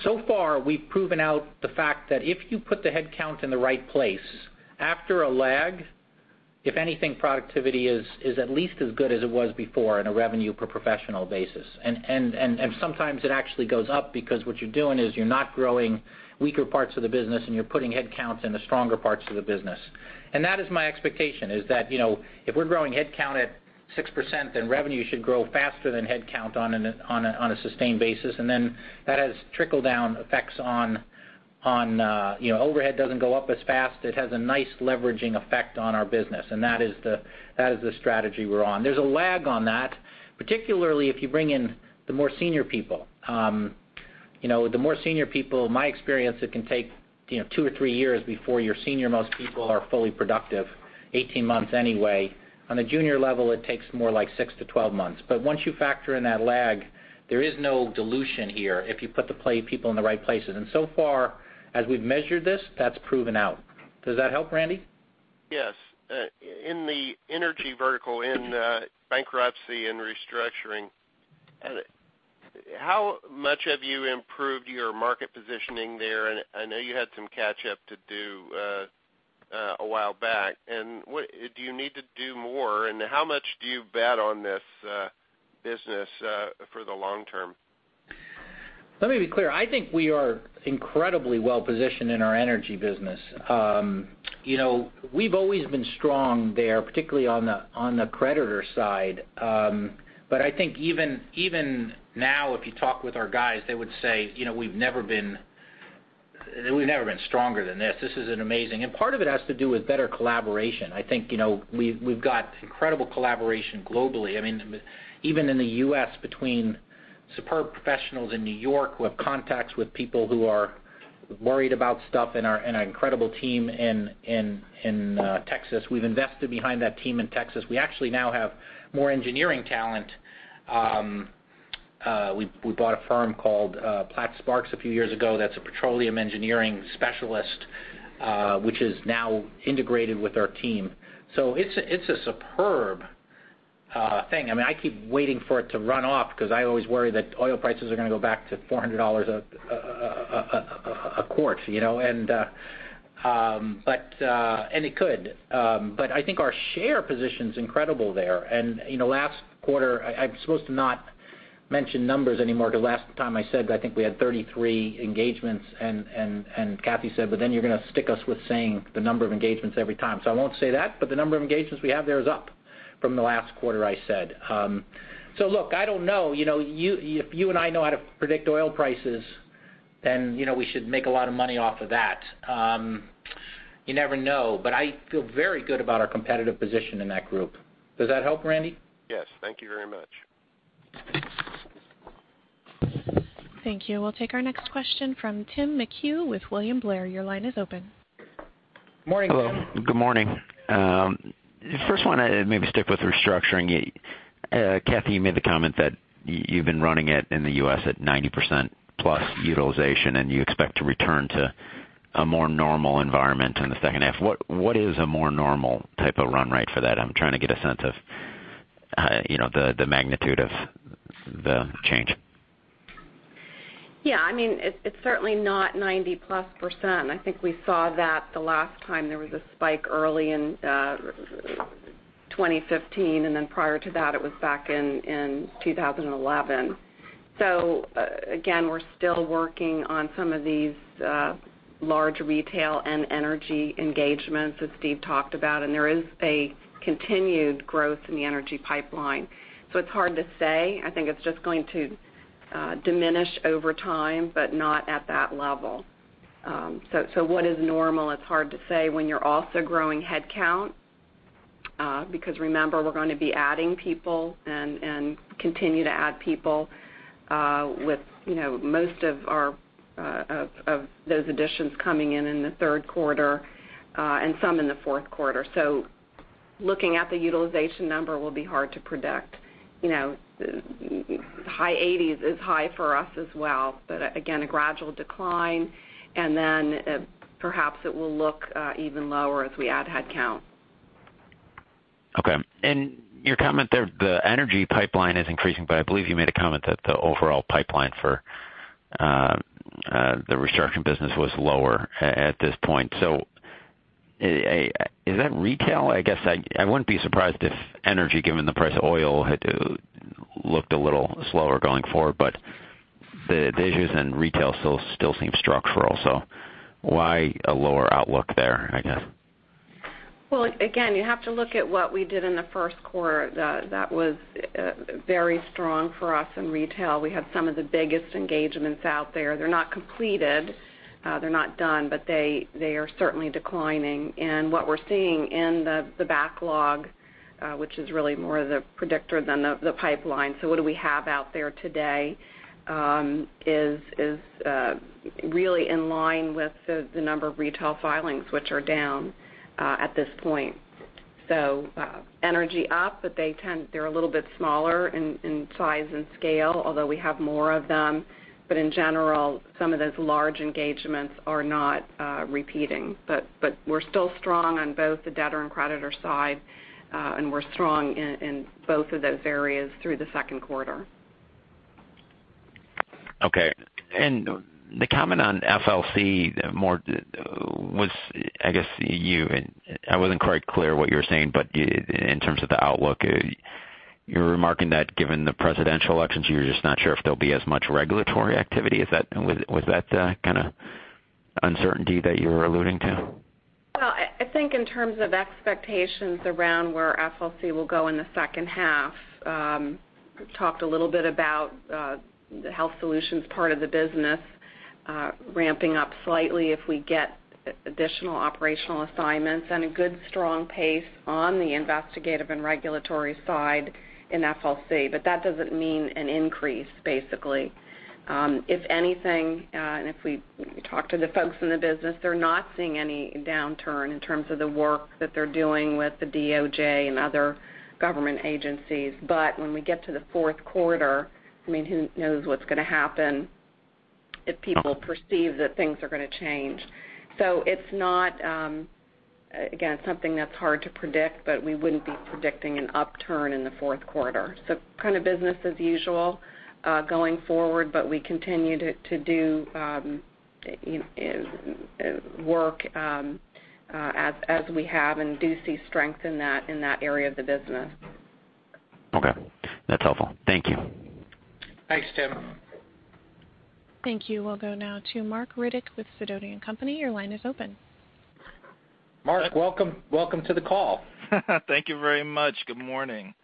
so far we've proven out the fact that if you put the headcount in the right place, after a lag, if anything, productivity is at least as good as it was before on a revenue per professional basis. Sometimes it actually goes up because what you're doing is you're not growing weaker parts of the business and you're putting headcounts in the stronger parts of the business. That is my expectation is that, if we're growing headcount at 6%, then revenue should grow faster than headcount on a sustained basis. That has trickle-down effects. Overhead doesn't go up as fast. It has a nice leveraging effect on our business, that is the strategy we're on. There's a lag on that, particularly if you bring in the more senior people. The more senior people, my experience, it can take two or three years before your senior-most people are fully productive, 18 months anyway. On a junior level, it takes more like six to 12 months. Once you factor in that lag, there is no dilution here if you put the people in the right places. So far, as we've measured this, that's proven out. Does that help, Randy? Yes. In the energy vertical, in bankruptcy and restructuring, how much have you improved your market positioning there? I know you had some catch up to do a while back. Do you need to do more, and how much do you bet on this business for the long term? Let me be clear. I think we are incredibly well-positioned in our energy business. We've always been strong there, particularly on the creditor side. I think even now, if you talk with our guys, they would say, "We've never been stronger than this." This is amazing. Part of it has to do with better collaboration. I think we've got incredible collaboration globally. Even in the U.S., between superb professionals in New York who have contacts with people who are worried about stuff and our incredible team in Texas. We've invested behind that team in Texas. We actually now have more engineering talent. We bought a firm called Platt Sparks a few years ago that's a petroleum engineering specialist, which is now integrated with our team. It's a superb thing. I keep waiting for it to run off because I always worry that oil prices are going to go back to $400 a quart. It could, but I think our share position's incredible there. Last quarter, I'm supposed to not mention numbers anymore because last time I said, I think we had 33 engagements, and Kathy said, "But then you're going to stick us with saying the number of engagements every time." I won't say that, but the number of engagements we have there is up from the last quarter I said. Look, I don't know. If you and I know how to predict oil prices, then we should make a lot of money off of that. You never know, but I feel very good about our competitive position in that group. Does that help, Randy? Yes. Thank you very much. Thank you. We'll take our next question from Tim McHugh with William Blair. Your line is open. Morning. Hello. Good morning. First one, maybe stick with restructuring. Kathy, you made the comment that you've been running it in the U.S. at 90% plus utilization, and you expect to return to a more normal environment in the second half. What is a more normal type of run rate for that? I'm trying to get a sense of the magnitude of the change. Yeah. It's certainly not 90% plus. I think we saw that the last time there was a spike early in 2015, then prior to that, it was back in 2011. Again, we're still working on some of these large retail and energy engagements as Steve talked about, there is a continued growth in the energy pipeline. It's hard to say. I think it's just going to diminish over time, not at that level. What is normal, it's hard to say when you're also growing headcount, because remember, we're going to be adding people and continue to add people, with most of those additions coming in the third quarter, some in the fourth quarter. Looking at the utilization number will be hard to predict. High 80s is high for us as well. Again, a gradual decline, then perhaps it will look even lower as we add headcount. Okay. Your comment there, the energy pipeline is increasing, but I believe you made a comment that the overall pipeline for the restructuring business was lower at this point. Is that retail? I guess I wouldn't be surprised if energy, given the price of oil, had looked a little slower going forward, but the issues in retail still seem structural. Why a lower outlook there, I guess? Well, again, you have to look at what we did in the first quarter. That was very strong for us in retail. We had some of the biggest engagements out there. They're not completed, they're not done, but they are certainly declining. What we're seeing in the backlog, which is really more of the predictor than the pipeline, what do we have out there today, is really in line with the number of retail filings, which are down at this point. Energy up, but they're a little bit smaller in size and scale, although we have more of them. In general, some of those large engagements are not repeating. We're still strong on both the debtor and creditor side, and we're strong in both of those areas through the second quarter. Okay. The comment on FLC, more was, I guess, you, and I wasn't quite clear what you were saying, but in terms of the outlook, you were remarking that given the presidential elections, you're just not sure if there'll be as much regulatory activity. Was that the kind of uncertainty that you were alluding to? Well, I think in terms of expectations around where FLC will go in the second half, we talked a little bit about the Health Solutions part of the business ramping up slightly if we get additional operational assignments and a good strong pace on the investigative and regulatory side in FLC. That doesn't mean an increase, basically. If anything, if we talk to the folks in the business, they're not seeing any downturn in terms of the work that they're doing with the DOJ and other government agencies. When we get to the fourth quarter, who knows what's going to happen if people perceive that things are going to change. It's not, again, it's something that's hard to predict, but we wouldn't be predicting an upturn in the fourth quarter. Business as usual, going forward, but we continue to do work as we have and do see strength in that area of the business. Okay. That's helpful. Thank you. Thanks, Tim. Thank you. We'll go now to Marc Riddick with Sidoti & Company. Your line is open. Marc, welcome to the call. Thank you very much. Good morning.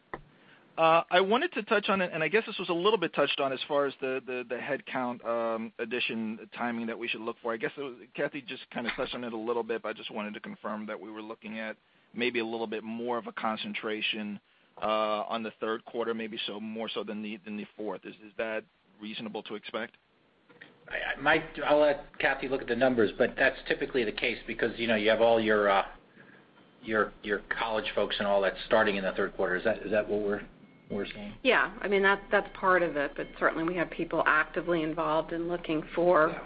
I wanted to touch on, I guess this was a little bit touched on as far as the headcount addition timing that we should look for. I guess Kathy just touched on it a little bit, but I just wanted to confirm that we were looking at maybe a little bit more of a concentration on the third quarter, maybe more so than the fourth. Is that reasonable to expect? I'll let Kathy look at the numbers, that's typically the case because you have all your college folks and all that starting in the third quarter. Is that what we're saying? Yeah. That's part of it, certainly we have people actively involved in looking for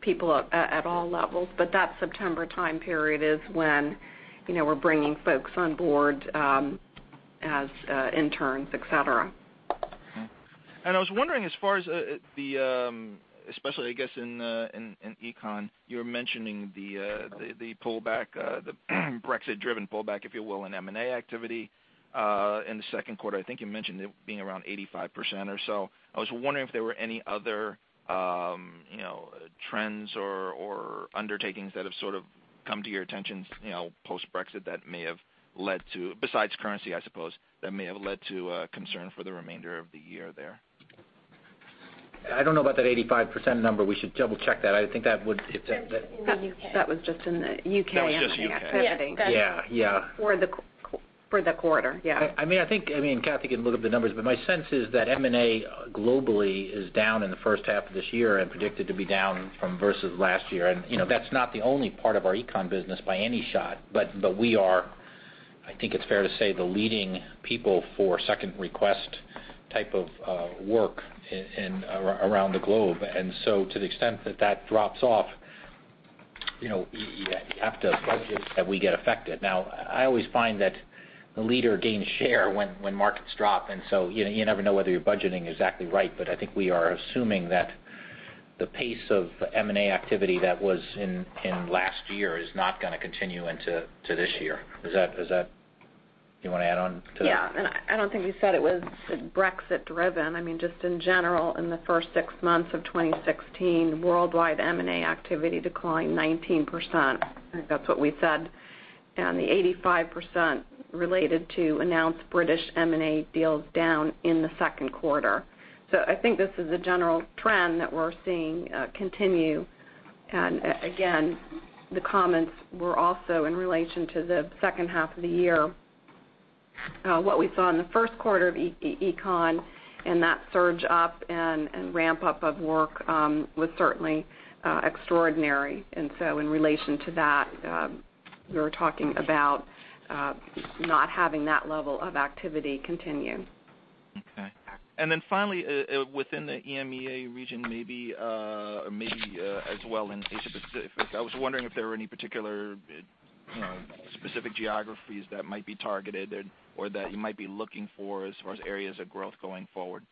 people at all levels. That September time period is when we're bringing folks on board as interns, et cetera. I was wondering, as far as especially, I guess, in Econ, you were mentioning the pullback, the Brexit-driven pullback, if you will, in M&A activity, in the second quarter. I think you mentioned it being around 85% or so. I was wondering if there were any other trends or undertakings that have sort of come to your attention post-Brexit that may have led to, besides currency, I suppose, that may have led to concern for the remainder of the year there. I don't know about that 85% number. We should double-check that. That was just in the U.K. That was just U.K. M&A activity. Yeah. For the quarter, yeah. I think Kathy can look up the numbers, but my sense is that M&A globally is down in the first half of this year and predicted to be down from versus last year. That's not the only part of our econ business by any shot, but we are, I think it's fair to say, the leading people for second request type of work around the globe. To the extent that that drops off, you have to budget that we get affected. Now, I always find that the leader gains share when markets drop, and so you never know whether you're budgeting exactly right. I think we are assuming that the pace of M&A activity that was in last year is not going to continue into this year. Do you want to add on to that? Yeah. I don't think we said it was Brexit-driven, just in general, in the first six months of 2016, worldwide M&A activity declined 19%. I think that's what we said. The 85% related to announced British M&A deals down in the second quarter. I think this is a general trend that we're seeing continue. Again, the comments were also in relation to the second half of the year. What we saw in the first quarter of econ and that surge up and ramp up of work was certainly extraordinary. In relation to that, we were talking about not having that level of activity continue. Okay. Then finally, within the EMEA region, maybe as well in Asia-Pacific, I was wondering if there were any particular specific geographies that might be targeted or that you might be looking for as far as areas of growth going forward.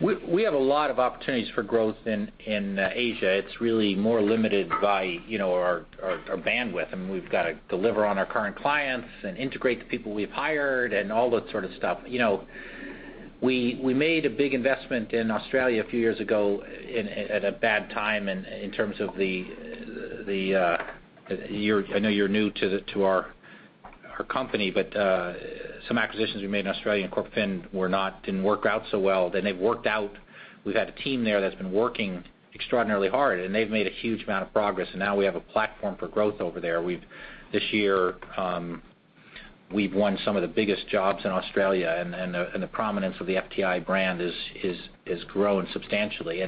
We have a lot of opportunities for growth in Asia. It's really more limited by our bandwidth, and we've got to deliver on our current clients and integrate the people we've hired and all that sort of stuff. We made a big investment in Australia a few years ago at a bad time in terms of I know you're new to our company, but some acquisitions we made in Australia in CorpFin didn't work out so well. They've worked out. We've had a team there that's been working extraordinarily hard, and they've made a huge amount of progress, and now we have a platform for growth over there. This year, we've won some of the biggest jobs in Australia, and the prominence of the FTI brand has grown substantially.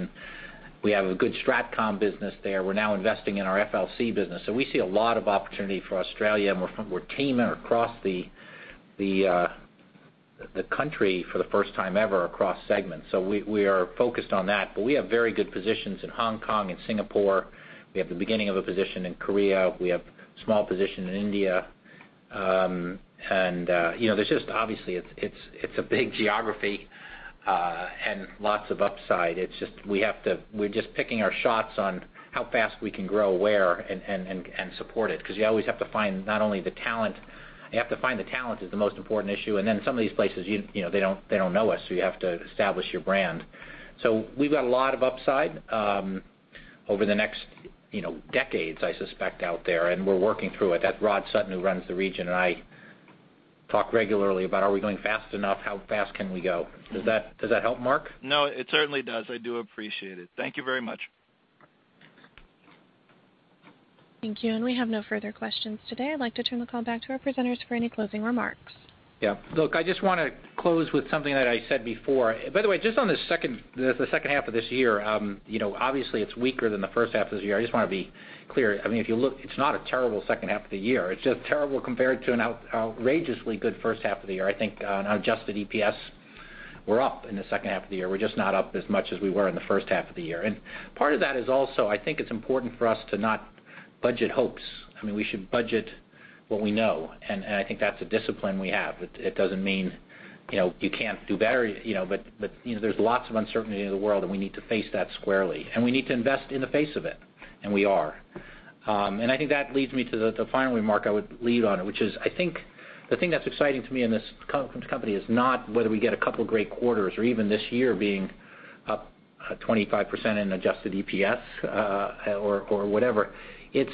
We have a good Strat Comm business there. We're now investing in our FLC business. We see a lot of opportunity for Australia, and we're teaming across the country for the first time ever across segments. We are focused on that. We have very good positions in Hong Kong and Singapore. We have the beginning of a position in Korea. We have a small position in India. Obviously, it's a big geography and lots of upside. We're just picking our shots on how fast we can grow where and support it because you always have to find not only the talent. You have to find the talent is the most important issue, and then some of these places, they don't know us, so you have to establish your brand. We've got a lot of upside over the next decades, I suspect, out there, and we're working through it. That's Rod Sutton, who runs the region, and I talk regularly about, are we going fast enough? How fast can we go? Does that help, Marc? No, it certainly does. I do appreciate it. Thank you very much. Thank you. We have no further questions today. I'd like to turn the call back to our presenters for any closing remarks. Yeah. Look, I just want to close with something that I said before. By the way, just on the second half of this year, obviously it's weaker than the first half of this year. I just want to be clear. If you look, it's not a terrible second half of the year. It's just terrible compared to an outrageously good first half of the year. I think on adjusted EPS, we're up in the second half of the year. We're just not up as much as we were in the first half of the year. Part of that is also, I think it's important for us to not budget hopes. We should budget what we know, and I think that's a discipline we have. It doesn't mean you can't do better, but there's lots of uncertainty in the world, we need to face that squarely, we need to invest in the face of it, and we are. I think that leads me to the final remark I would leave on, which is, I think the thing that's exciting to me in this company is not whether we get a couple great quarters or even this year being up 25% in adjusted EPS or whatever. It's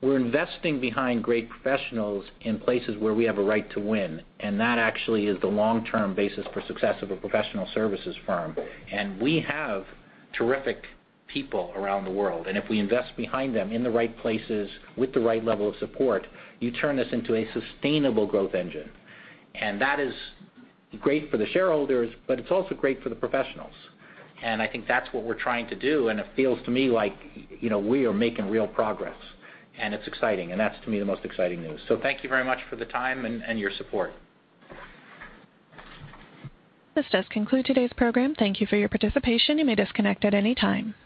we're investing behind great professionals in places where we have a right to win, and that actually is the long-term basis for success of a professional services firm. We have terrific people around the world, and if we invest behind them in the right places with the right level of support, you turn this into a sustainable growth engine. That is great for the shareholders, but it's also great for the professionals. I think that's what we're trying to do, and it feels to me like we are making real progress, and it's exciting, and that's, to me, the most exciting news. Thank you very much for the time and your support. This does conclude today's program. Thank you for your participation. You may disconnect at any time.